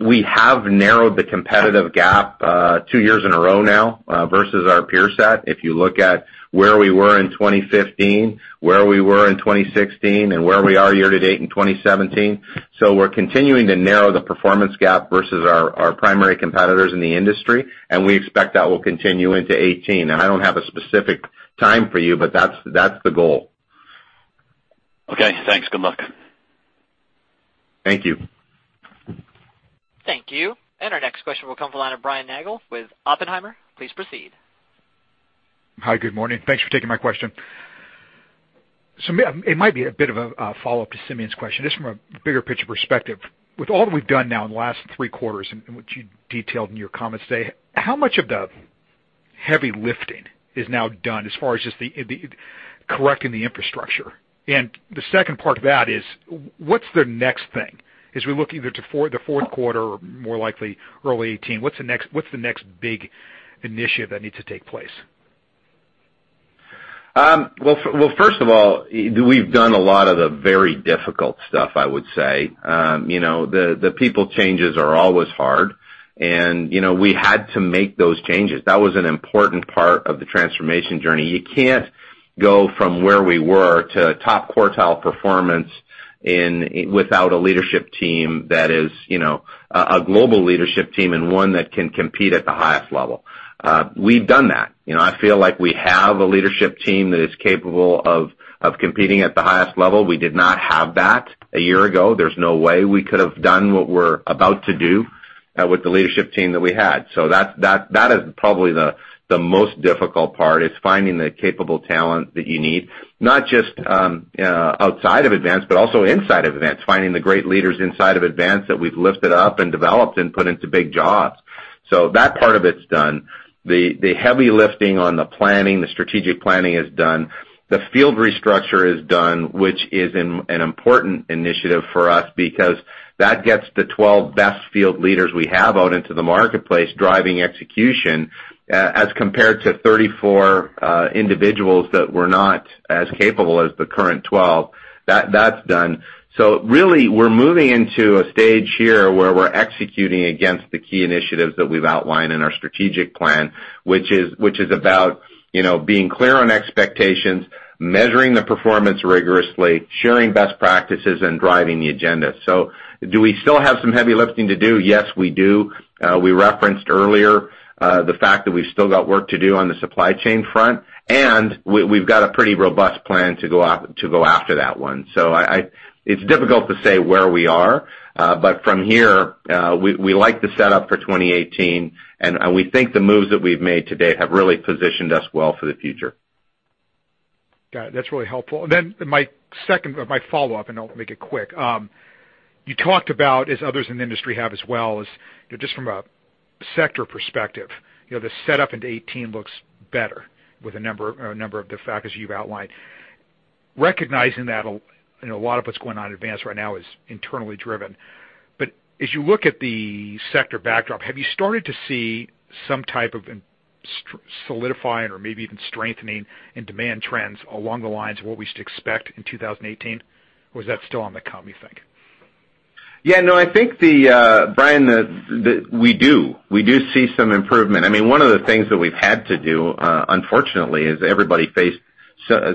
We have narrowed the competitive gap two years in a row now versus our peer set, if you look at where we were in 2015, where we were in 2016, and where we are year to date in 2017. We're continuing to narrow the performance gap versus our primary competitors in the industry, and we expect that will continue into 2018. I don't have a specific time for you, but that's the goal. Okay, thanks. Good luck. Thank you. Thank you. Our next question will come from the line of Brian Nagel with Oppenheimer. Please proceed. Hi, good morning. Thanks for taking my question. It might be a bit of a follow-up to Simeon's question, just from a bigger picture perspective. With all that we've done now in the last three quarters and what you detailed in your comments today, how much of the heavy lifting is now done as far as just correcting the infrastructure? The second part of that is, what's the next thing? As we look either to the fourth quarter or more likely early 2018, what's the next big initiative that needs to take place? First of all, we've done a lot of the very difficult stuff, I would say. The people changes are always hard, and we had to make those changes. That was an important part of the transformation journey. You can't go from where we were to top quartile performance without a leadership team that is a global leadership team and one that can compete at the highest level. We've done that. I feel like we have a leadership team that is capable of competing at the highest level. We did not have that a year ago. There's no way we could have done what we're about to do with the leadership team that we had. That is probably the most difficult part, is finding the capable talent that you need, not just outside of Advance, but also inside of Advance, finding the great leaders inside of Advance that we've lifted up and developed and put into big jobs. That part of it's done. The heavy lifting on the planning, the strategic planning is done. The field restructure is done, which is an important initiative for us because that gets the 12 best field leaders we have out into the marketplace driving execution, as compared to 34 individuals that were not as capable as the current 12. That's done. Really, we're moving into a stage here where we're executing against the key initiatives that we've outlined in our strategic plan, which is about being clear on expectations, measuring the performance rigorously, sharing best practices, and driving the agenda. Do we still have some heavy lifting to do? Yes, we do. We referenced earlier the fact that we've still got work to do on the supply chain front, and we've got a pretty robust plan to go after that one. It's difficult to say where we are. From here, we like the setup for 2018, and we think the moves that we've made today have really positioned us well for the future. Got it. That's really helpful. My follow-up, I'll make it quick. You talked about, as others in the industry have as well, is just from a sector perspective, the setup into 2018 looks better with a number of the factors you've outlined. Recognizing that a lot of what's going on at Advance right now is internally driven. As you look at the sector backdrop, have you started to see some type of solidifying or maybe even strengthening in demand trends along the lines of what we should expect in 2018? Or is that still on the come, you think? I think, Brian, we do. We do see some improvement. One of the things that we've had to do, unfortunately, as everybody faced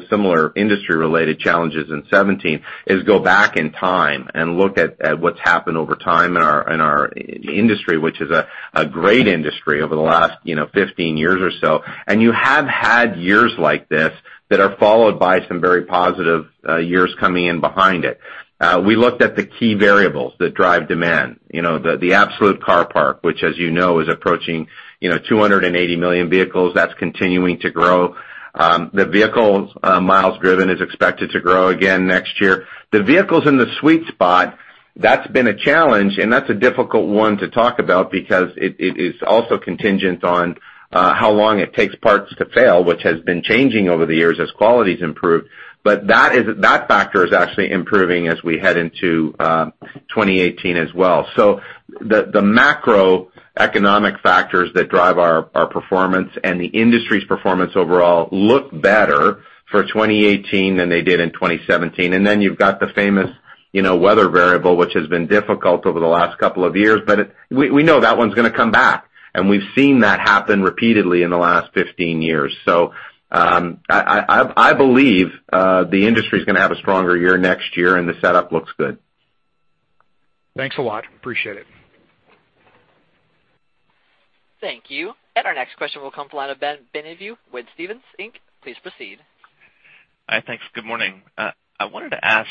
similar industry-related challenges in 2017, is go back in time and look at what's happened over time in our industry, which is a great industry over the last 15 years or so. You have had years like this that are followed by some very positive years coming in behind it. We looked at the key variables that drive demand. The absolute car park, which as you know, is approaching 280 million vehicles. That's continuing to grow. The vehicles miles driven is expected to grow again next year. The vehicles in the sweet spot, that's been a challenge, that's a difficult one to talk about because it is also contingent on how long it takes parts to fail, which has been changing over the years as quality's improved. That factor is actually improving as we head into 2018 as well. The macroeconomic factors that drive our performance and the industry's performance overall look better for 2018 than they did in 2017. You've got the famous weather variable, which has been difficult over the last couple of years, but we know that one's going to come back, and we've seen that happen repeatedly in the last 15 years. I believe the industry's going to have a stronger year next year, and the setup looks good. Thanks a lot. Appreciate it. Thank you. Our next question will come from the line of Ben Bienvenu with Stephens Inc. Please proceed. Hi. Thanks. Good morning. I wanted to ask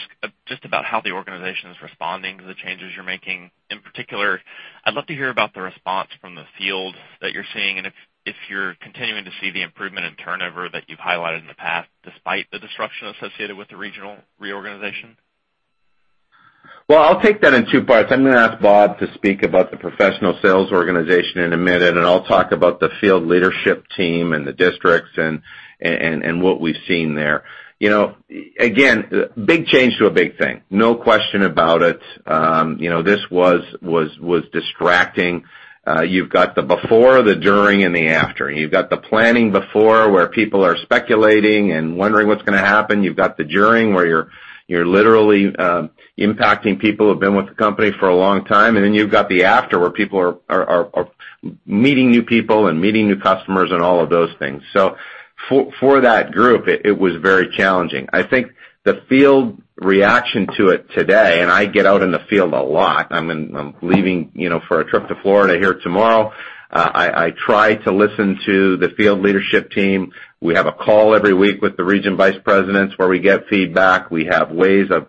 just about how the organization is responding to the changes you're making. In particular, I'd love to hear about the response from the field that you're seeing, and if you're continuing to see the improvement in turnover that you've highlighted in the past, despite the disruption associated with the regional reorganization. Well, I'll take that in two parts. I'm going to ask Bob to speak about the professional sales organization in a minute, and I'll talk about the field leadership team and the districts and what we've seen there. Again, big change to a big thing. No question about it. This was distracting. You've got the before, the during, and the after, and you've got the planning before where people are speculating and wondering what's going to happen. You've got the during, where you're literally impacting people who've been with the company for a long time. Then you've got the after, where people are meeting new people and meeting new customers and all of those things. For that group, it was very challenging. I think the field reaction to it today, and I get out in the field a lot. I'm leaving for a trip to Florida here tomorrow. I try to listen to the field leadership team. We have a call every week with the region vice presidents where we get feedback. We have ways of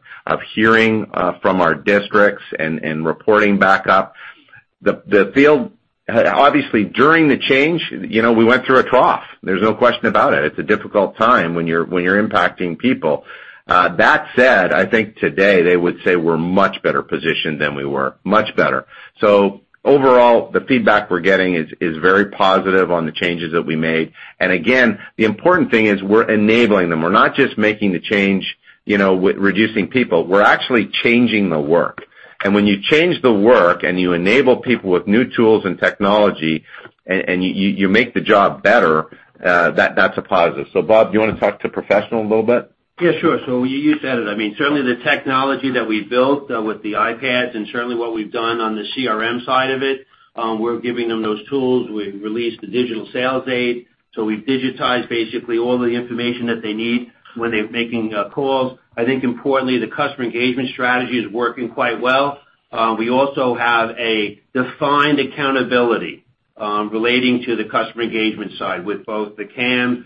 hearing from our districts and reporting back up. The field, obviously, during the change, we went through a trough. There's no question about it. It's a difficult time when you're impacting people. That said, I think today they would say we're much better positioned than we were. Much better. Overall, the feedback we're getting is very positive on the changes that we made. Again, the important thing is we're enabling them. We're not just making the change with reducing people. We're actually changing the work. When you change the work and you enable people with new tools and technology and you make the job better, that's a positive. Bob, do you want to talk to Professional a little bit? Yeah, sure. You said it. Certainly the technology that we built with the iPads and certainly what we've done on the CRM side of it, we're giving them those tools. We've released the digital sales aid. We've digitized basically all the information that they need when they're making calls. I think importantly, the customer engagement strategy is working quite well. We also have a defined accountability relating to the customer engagement side with both the CAM,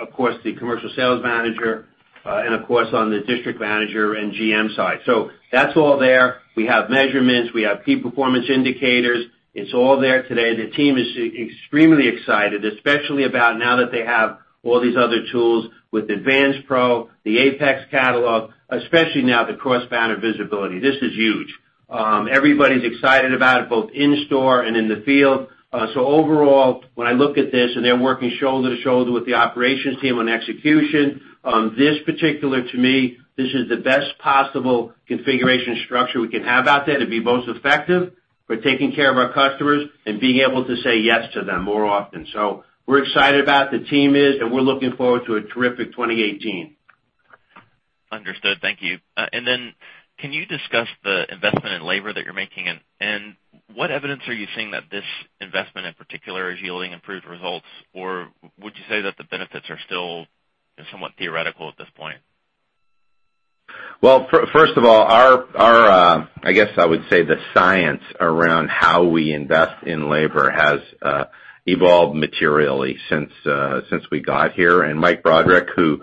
of course, the commercial sales manager, and of course, on the district manager and GM side. That's all there. We have measurements. We have key performance indicators. It's all there today. The team is extremely excited, especially about now that they have all these other tools with Advance Pro, the Apex catalog, especially now the cross-banner visibility. This is huge. Everybody's excited about it, both in store and in the field. Overall, when I look at this, and they're working shoulder to shoulder with the operations team on execution, this particular to me, this is the best possible configuration structure we can have out there to be most effective. We're taking care of our customers and being able to say yes to them more often. We're excited about, the team is, and we're looking forward to a terrific 2018. Understood. Thank you. Then can you discuss the investment in labor that you're making, and what evidence are you seeing that this investment in particular is yielding improved results? Or would you say that the benefits are still somewhat theoretical at this point? First of all, I guess I would say the science around how we invest in labor has evolved materially since we got here. Michael Broderick, who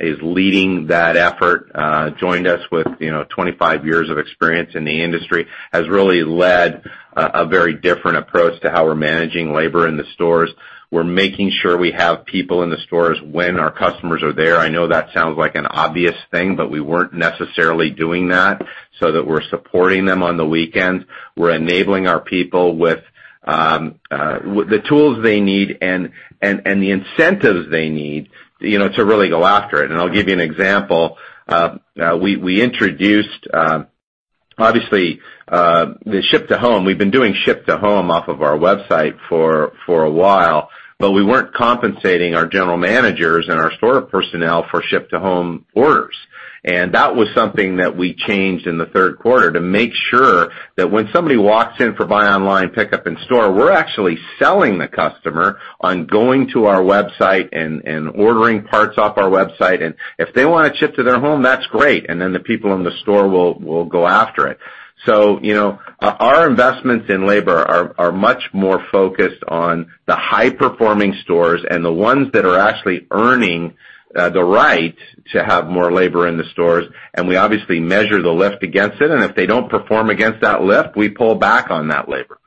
is leading that effort, joined us with 25 years of experience in the industry, has really led a very different approach to how we're managing labor in the stores. We're making sure we have people in the stores when our customers are there. I know that sounds like an obvious thing, but we weren't necessarily doing that so that we're supporting them on the weekend. We're enabling our people with the tools they need and the incentives they need to really go after it. I'll give you an example. We introduced, obviously, the ship to home. We've been doing ship to home off of our website for a while, but we weren't compensating our general managers and our store personnel for ship to home orders. That was something that we changed in the third quarter to make sure that when somebody walks in for buy online pickup in store, we're actually selling the customer on going to our website and ordering parts off our website. If they want it shipped to their home, that's great, and then the people in the store will go after it. Our investments in labor are much more focused on the high-performing stores and the ones that are actually earning the right to have more labor in the stores. We obviously measure the lift against it, and if they don't perform against that lift, we pull back on that labor.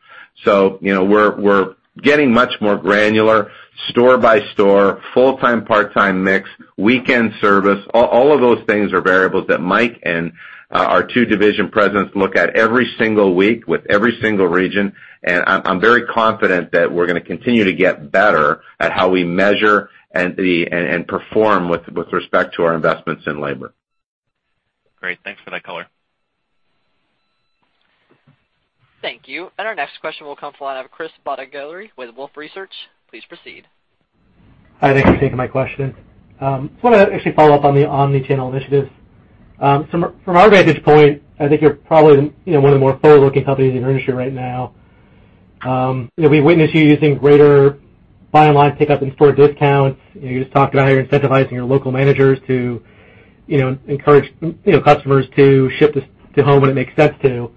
We're getting much more granular store by store, full-time, part-time mix, weekend service. All of those things are variables that Mike and our two division presidents look at every single week with every single region. I'm very confident that we're going to continue to get better at how we measure and perform with respect to our investments in labor. Great. Thanks for that color. Thank you. Our next question will come from the line of Chris Bottiglieri with Wolfe Research. Please proceed. Hi, thanks for taking my question. Just wanted to actually follow up on the omni-channel initiatives. From our vantage point, I think you're probably one of the more forward-looking companies in your industry right now. We've witnessed you using greater buy online pickup in-store discounts. You just talked about how you're incentivizing your local managers to encourage customers to ship to home when it makes sense to.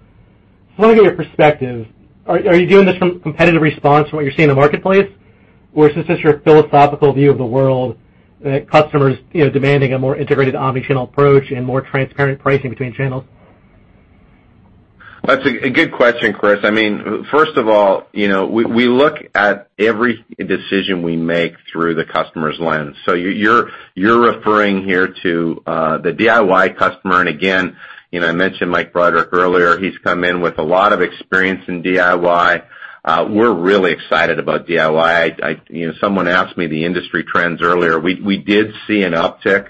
I want to get your perspective. Are you doing this from competitive response from what you're seeing in the marketplace? Or is this just your philosophical view of the world that customers demanding a more integrated omni-channel approach and more transparent pricing between channels? That's a good question, Chris. First of all, we look at every decision we make through the customer's lens. You're referring here to the DIY customer, and again, I mentioned Mike Broderick earlier. He's come in with a lot of experience in DIY. We're really excited about DIY. Someone asked me the industry trends earlier. We did see an uptick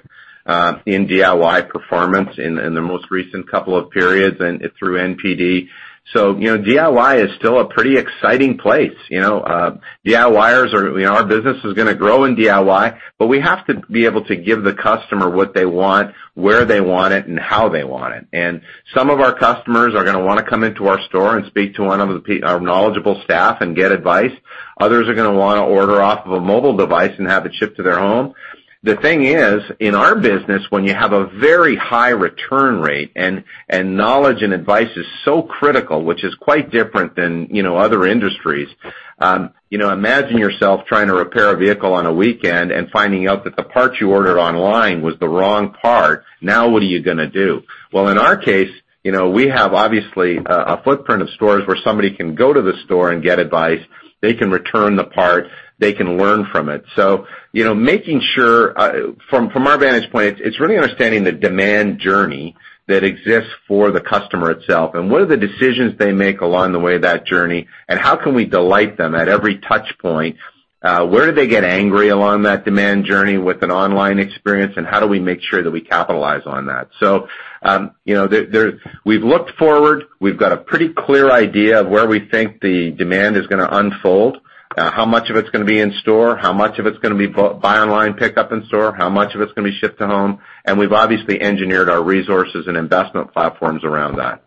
in DIY performance in the most recent couple of periods and through NPD. DIY is still a pretty exciting place. Our business is going to grow in DIY, but we have to be able to give the customer what they want, where they want it, and how they want it. Some of our customers are going to want to come into our store and speak to one of our knowledgeable staff and get advice. Others are going to want to order off of a mobile device and have it shipped to their home. The thing is, in our business, when you have a very high return rate and knowledge and advice is so critical, which is quite different than other industries. Imagine yourself trying to repair a vehicle on a weekend and finding out that the part you ordered online was the wrong part. Now what are you going to do? Well, in our case we have obviously a footprint of stores where somebody can go to the store and get advice. They can return the part, they can learn from it. From our vantage point, it's really understanding the demand journey that exists for the customer itself and what are the decisions they make along the way of that journey, and how can we delight them at every touch point? Where do they get angry along that demand journey with an online experience, and how do we make sure that we capitalize on that? We've looked forward. We've got a pretty clear idea of where we think the demand is going to unfold, how much of it's going to be in store, how much of it's going to be buy online, pickup in store, how much of it's going to be shipped to home. We've obviously engineered our resources and investment platforms around that.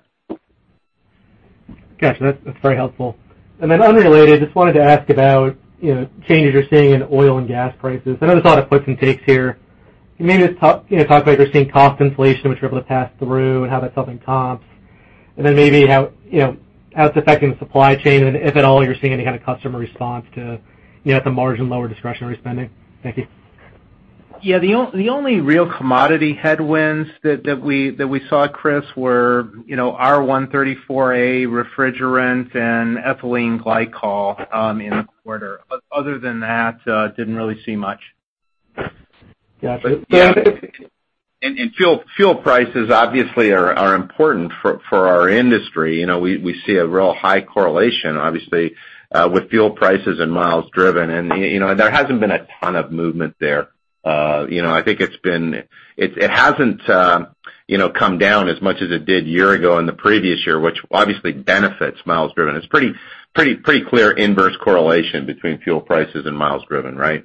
Got you. That's very helpful. Then unrelated, just wanted to ask about changes you're seeing in oil and gas prices. I know there's a lot of puts and takes here. Maybe just talk about you're seeing cost inflation, which you're able to pass through and how that's helping comps, and then maybe how it's affecting the supply chain and if at all you're seeing any kind of customer response to, at the margin, lower discretionary spending. Thank you. Yeah, the only real commodity headwinds that we saw, Chris, were R134a refrigerant and ethylene glycol in the quarter. Other than that, didn't really see much. Got you. Fuel prices obviously are important for our industry. We see a real high correlation, obviously, with fuel prices and miles driven. There hasn't been a ton of movement there. I think it hasn't come down as much as it did a year ago and the previous year, which obviously benefits miles driven. It's pretty clear inverse correlation between fuel prices and miles driven, right?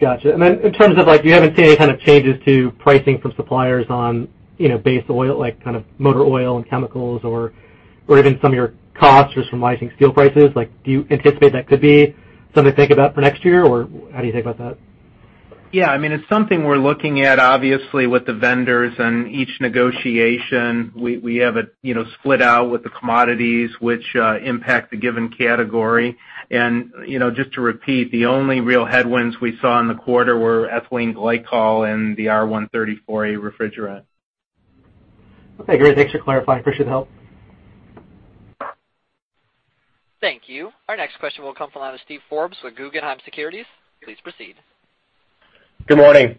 Got you. In terms of, you haven't seen any kind of changes to pricing from suppliers on base oil, like motor oil and chemicals or even some of your costs just from rising steel prices. Do you anticipate that could be something to think about for next year? How do you think about that? Yeah, it's something we're looking at, obviously, with the vendors and each negotiation. We have it split out with the commodities which impact the given category. Just to repeat, the only real headwinds we saw in the quarter were ethylene glycol and the R134a refrigerant. Okay, great. Thanks for clarifying. Appreciate the help. Thank you. Our next question will come from the line of Steven Forbes with Guggenheim Securities. Please proceed. Good morning.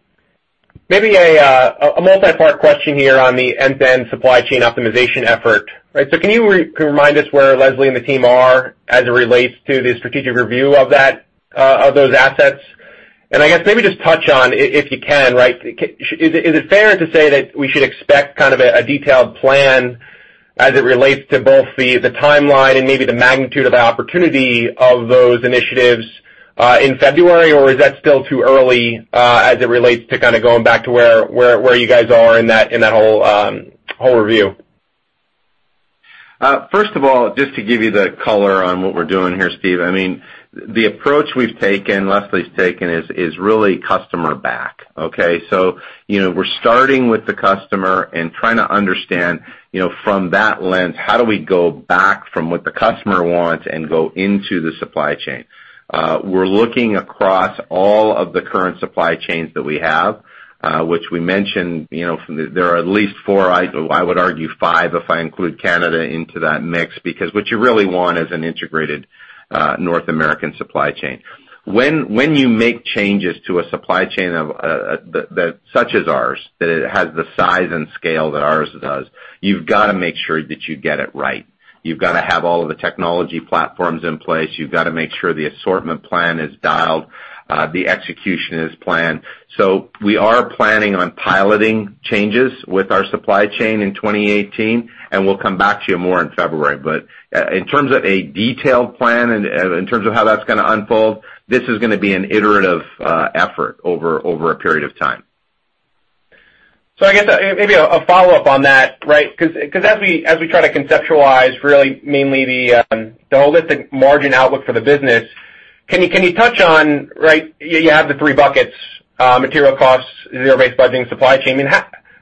Maybe a multi-part question here on the end-to-end supply chain optimization effort. Right, can you remind us where Leslie and the team are as it relates to the strategic review of those assets? I guess maybe just touch on, if you can, is it fair to say that we should expect kind of a detailed plan as it relates to both the timeline and maybe the magnitude of the opportunity of those initiatives, in February, or is that still too early, as it relates to kind of going back to where you guys are in that whole review? First of all, just to give you the color on what we're doing here, Steve. The approach we've taken, Leslie's taken, is really customer back, okay? We're starting with the customer and trying to understand from that lens, how do we go back from what the customer wants and go into the supply chain? We're looking across all of the current supply chains that we have, which we mentioned, there are at least four, I would argue five if I include Canada into that mix, because what you really want is an integrated North American supply chain. When you make changes to a supply chain such as ours, that it has the size and scale that ours does, you've got to make sure that you get it right. You've got to have all of the technology platforms in place. You've got to make sure the assortment plan is dialed, the execution is planned. We are planning on piloting changes with our supply chain in 2018, and we'll come back to you more in February. In terms of a detailed plan and in terms of how that's going to unfold, this is going to be an iterative effort over a period of time. I guess maybe a follow-up on that, right? As we try to conceptualize really mainly the holistic margin outlook for the business, can you touch on, you have the three buckets, material costs, zero-based budgeting, supply chain.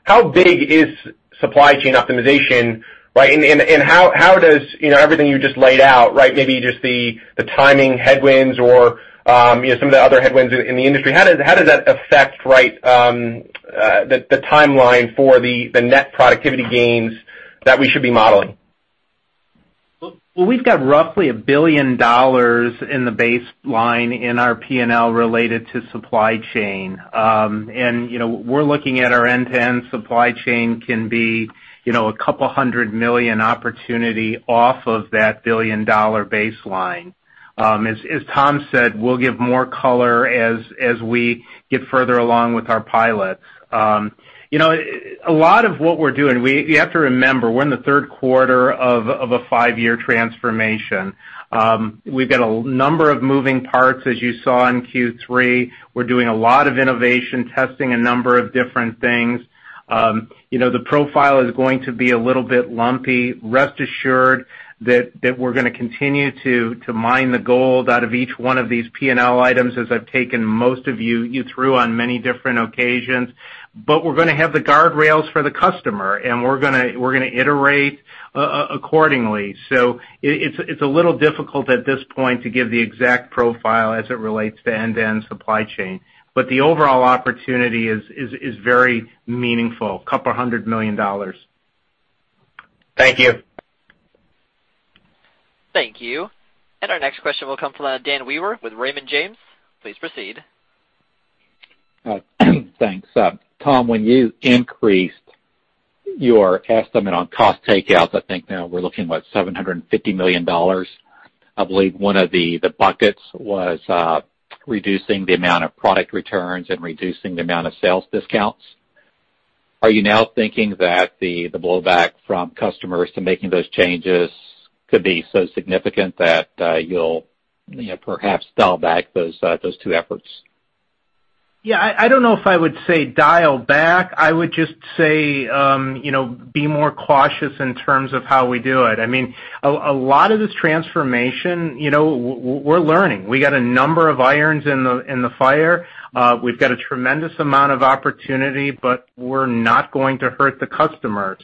How big is supply chain optimization, right? How does everything you just laid out, maybe just the timing headwinds or some of the other headwinds in the industry, how does that affect the timeline for the net productivity gains that we should be modeling? We've got roughly $1 billion in the baseline in our P&L related to supply chain. We're looking at our end-to-end supply chain can be a $200 million opportunity off of that $1 billion baseline. As Tom said, we'll give more color as we get further along with our pilots. A lot of what we're doing, you have to remember, we're in the third quarter of a five-year transformation. We've got a number of moving parts, as you saw in Q3. We're doing a lot of innovation, testing a number of different things. The profile is going to be a little bit lumpy. Rest assured that we're going to continue to mine the gold out of each one of these P&L items as I've taken most of you through on many different occasions. We're going to have the guardrails for the customer, and we're going to iterate accordingly. It's a little difficult at this point to give the exact profile as it relates to end-to-end supply chain. The overall opportunity is very meaningful. A $200 million. Thank you. Thank you. Our next question will come from DanWewer with Raymond James. Please proceed. Thanks. Tom, when you increased your estimate on cost takeouts, I think now we're looking, what, $750 million. I believe one of the buckets was reducing the amount of product returns and reducing the amount of sales discounts. Are you now thinking that the blowback from customers to making those changes could be so significant that you'll perhaps dial back those two efforts? Yeah, I don't know if I would say dial back. I would just say be more cautious in terms of how we do it. A lot of this transformation, we're learning. We got a number of irons in the fire. We've got a tremendous amount of opportunity, but we're not going to hurt the customer.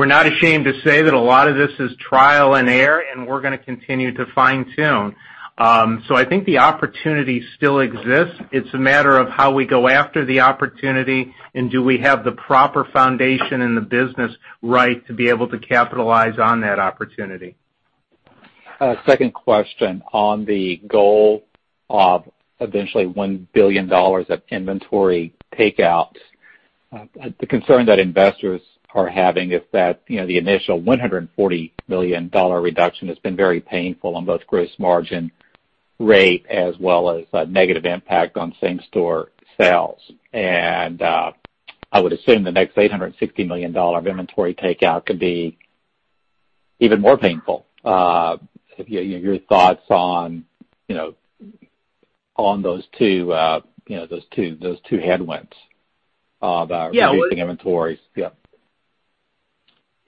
We're not ashamed to say that a lot of this is trial and error, and we're going to continue to fine-tune. I think the opportunity still exists. It's a matter of how we go after the opportunity and do we have the proper foundation in the business right to be able to capitalize on that opportunity. Second question on the goal of eventually $1 billion of inventory takeouts. The concern that investors are having is that the initial $140 million reduction has been very painful on both gross margin rate as well as a negative impact on same-store sales. I would assume the next $860 million of inventory takeout could be even more painful. Your thoughts on those two headwinds about reducing inventories? Yeah.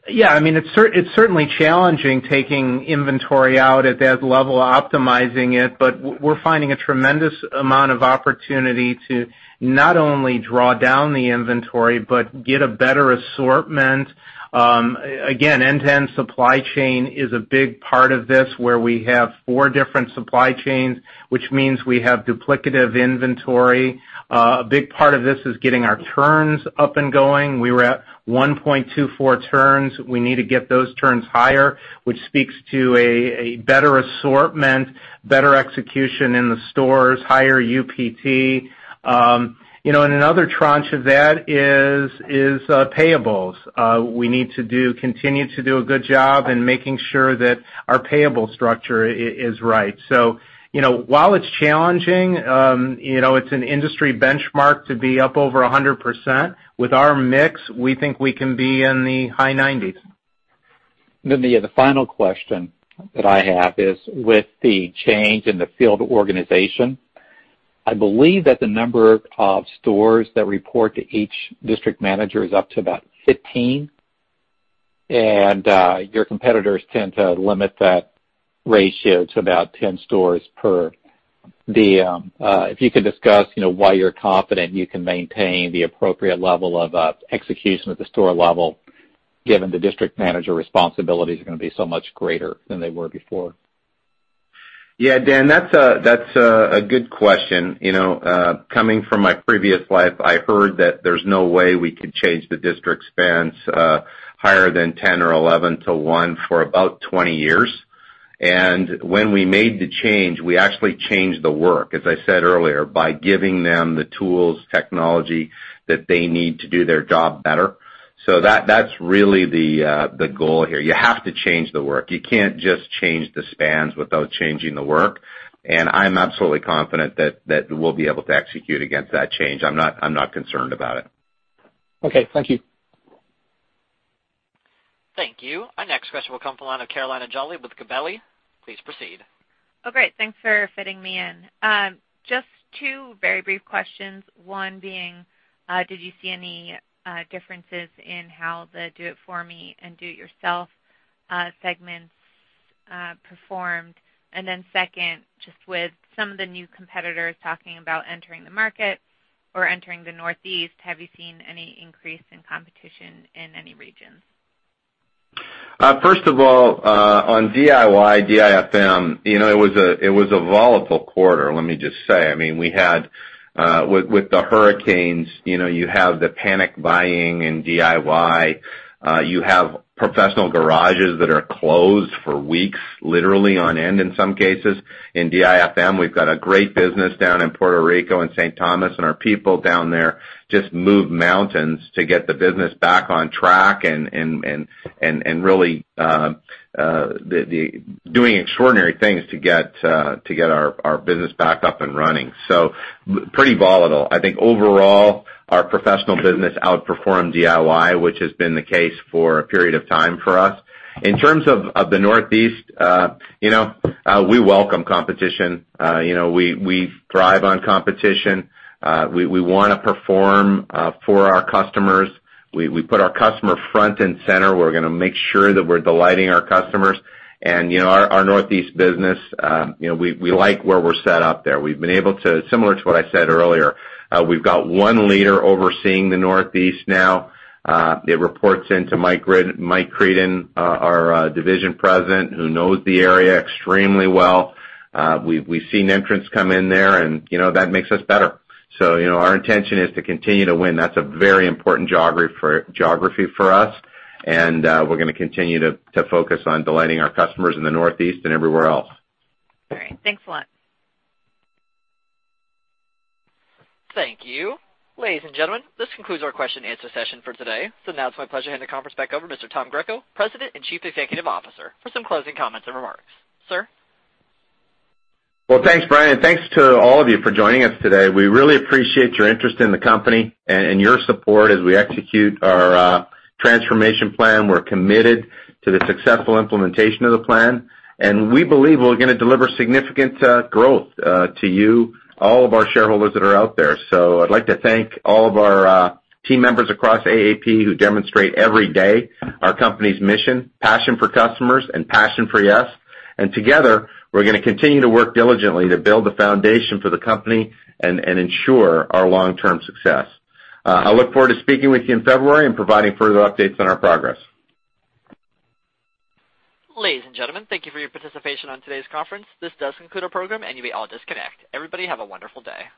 Yeah, it's certainly challenging taking inventory out at that level, optimizing it, but we're finding a tremendous amount of opportunity to not only draw down the inventory, but get a better assortment. Again, end-to-end supply chain is a big part of this, where we have four different supply chains, which means we have duplicative inventory. A big part of this is getting our turns up and going. We were at 1.24 turns. We need to get those turns higher, which speaks to a better assortment, better execution in the stores, higher UPT. Another tranche of that is payables. We need to continue to do a good job in making sure that our payable structure is right. While it's challenging, it's an industry benchmark to be up over 100%. With our mix, we think we can be in the high 90s. The final question that I have is with the change in the field organization, I believe that the number of stores that report to each district manager is up to about 15, and your competitors tend to limit that ratio to about 10 stores per DM. If you could discuss why you're confident you can maintain the appropriate level of execution at the store level, given the district manager responsibilities are going to be so much greater than they were before. Yeah, Dan, that's a good question. Coming from my previous life, I heard that there's no way we could change the district spans higher than 10 or 11 to one for about 20 years. When we made the change, we actually changed the work, as I said earlier, by giving them the tools, technology that they need to do their job better. That's really the goal here. You have to change the work. You can't just change the spans without changing the work, and I'm absolutely confident that we'll be able to execute against that change. I'm not concerned about it. Okay. Thank you. Thank you. Our next question will come from the line of Carolina Jolly with Gabelli. Please proceed. Great, thanks for fitting me in. Just two very brief questions. One being, did you see any differences in how the Do It For Me and Do It Yourself segments performed? Second, just with some of the new competitors talking about entering the market or entering the Northeast, have you seen any increase in competition in any regions? First of all, on DIY, DIFM, it was a volatile quarter, let me just say. With the hurricanes, you have the panic buying in DIY. You have professional garages that are closed for weeks, literally on end in some cases. In DIFM, we've got a great business down in Puerto Rico and St. Thomas, and our people down there just moved mountains to get the business back on track and really doing extraordinary things to get our business back up and running. Pretty volatile. I think overall, our professional business outperformed DIY, which has been the case for a period of time for us. In terms of the Northeast, we welcome competition. We thrive on competition. We want to perform for our customers. We put our customer front and center. We're going to make sure that we're delighting our customers and our Northeast business. We like where we're set up there. Similar to what I said earlier, we've got one leader overseeing the Northeast now. It reports into Mike Creedon, our Division President, who knows the area extremely well. We've seen entrants come in there, that makes us better. Our intention is to continue to win. That's a very important geography for us, and we're going to continue to focus on delighting our customers in the Northeast and everywhere else. All right. Thanks a lot. Thank you. Ladies and gentlemen, this concludes our question and answer session for today. Now it's my pleasure to hand the conference back over to Mr. Tom Greco, President and Chief Executive Officer, for some closing comments and remarks. Sir? Well, thanks, Brian. Thanks to all of you for joining us today. We really appreciate your interest in the company and your support as we execute our transformation plan. We're committed to the successful implementation of the plan, and we believe we're going to deliver significant growth to you, all of our shareholders that are out there. I'd like to thank all of our team members across AAP who demonstrate every day our company's mission, passion for customers and passion for yes. Together, we're going to continue to work diligently to build the foundation for the company and ensure our long-term success. I look forward to speaking with you in February and providing further updates on our progress. Ladies and gentlemen, thank you for your participation on today's conference. This does conclude our program, and you may all disconnect. Everybody have a wonderful day.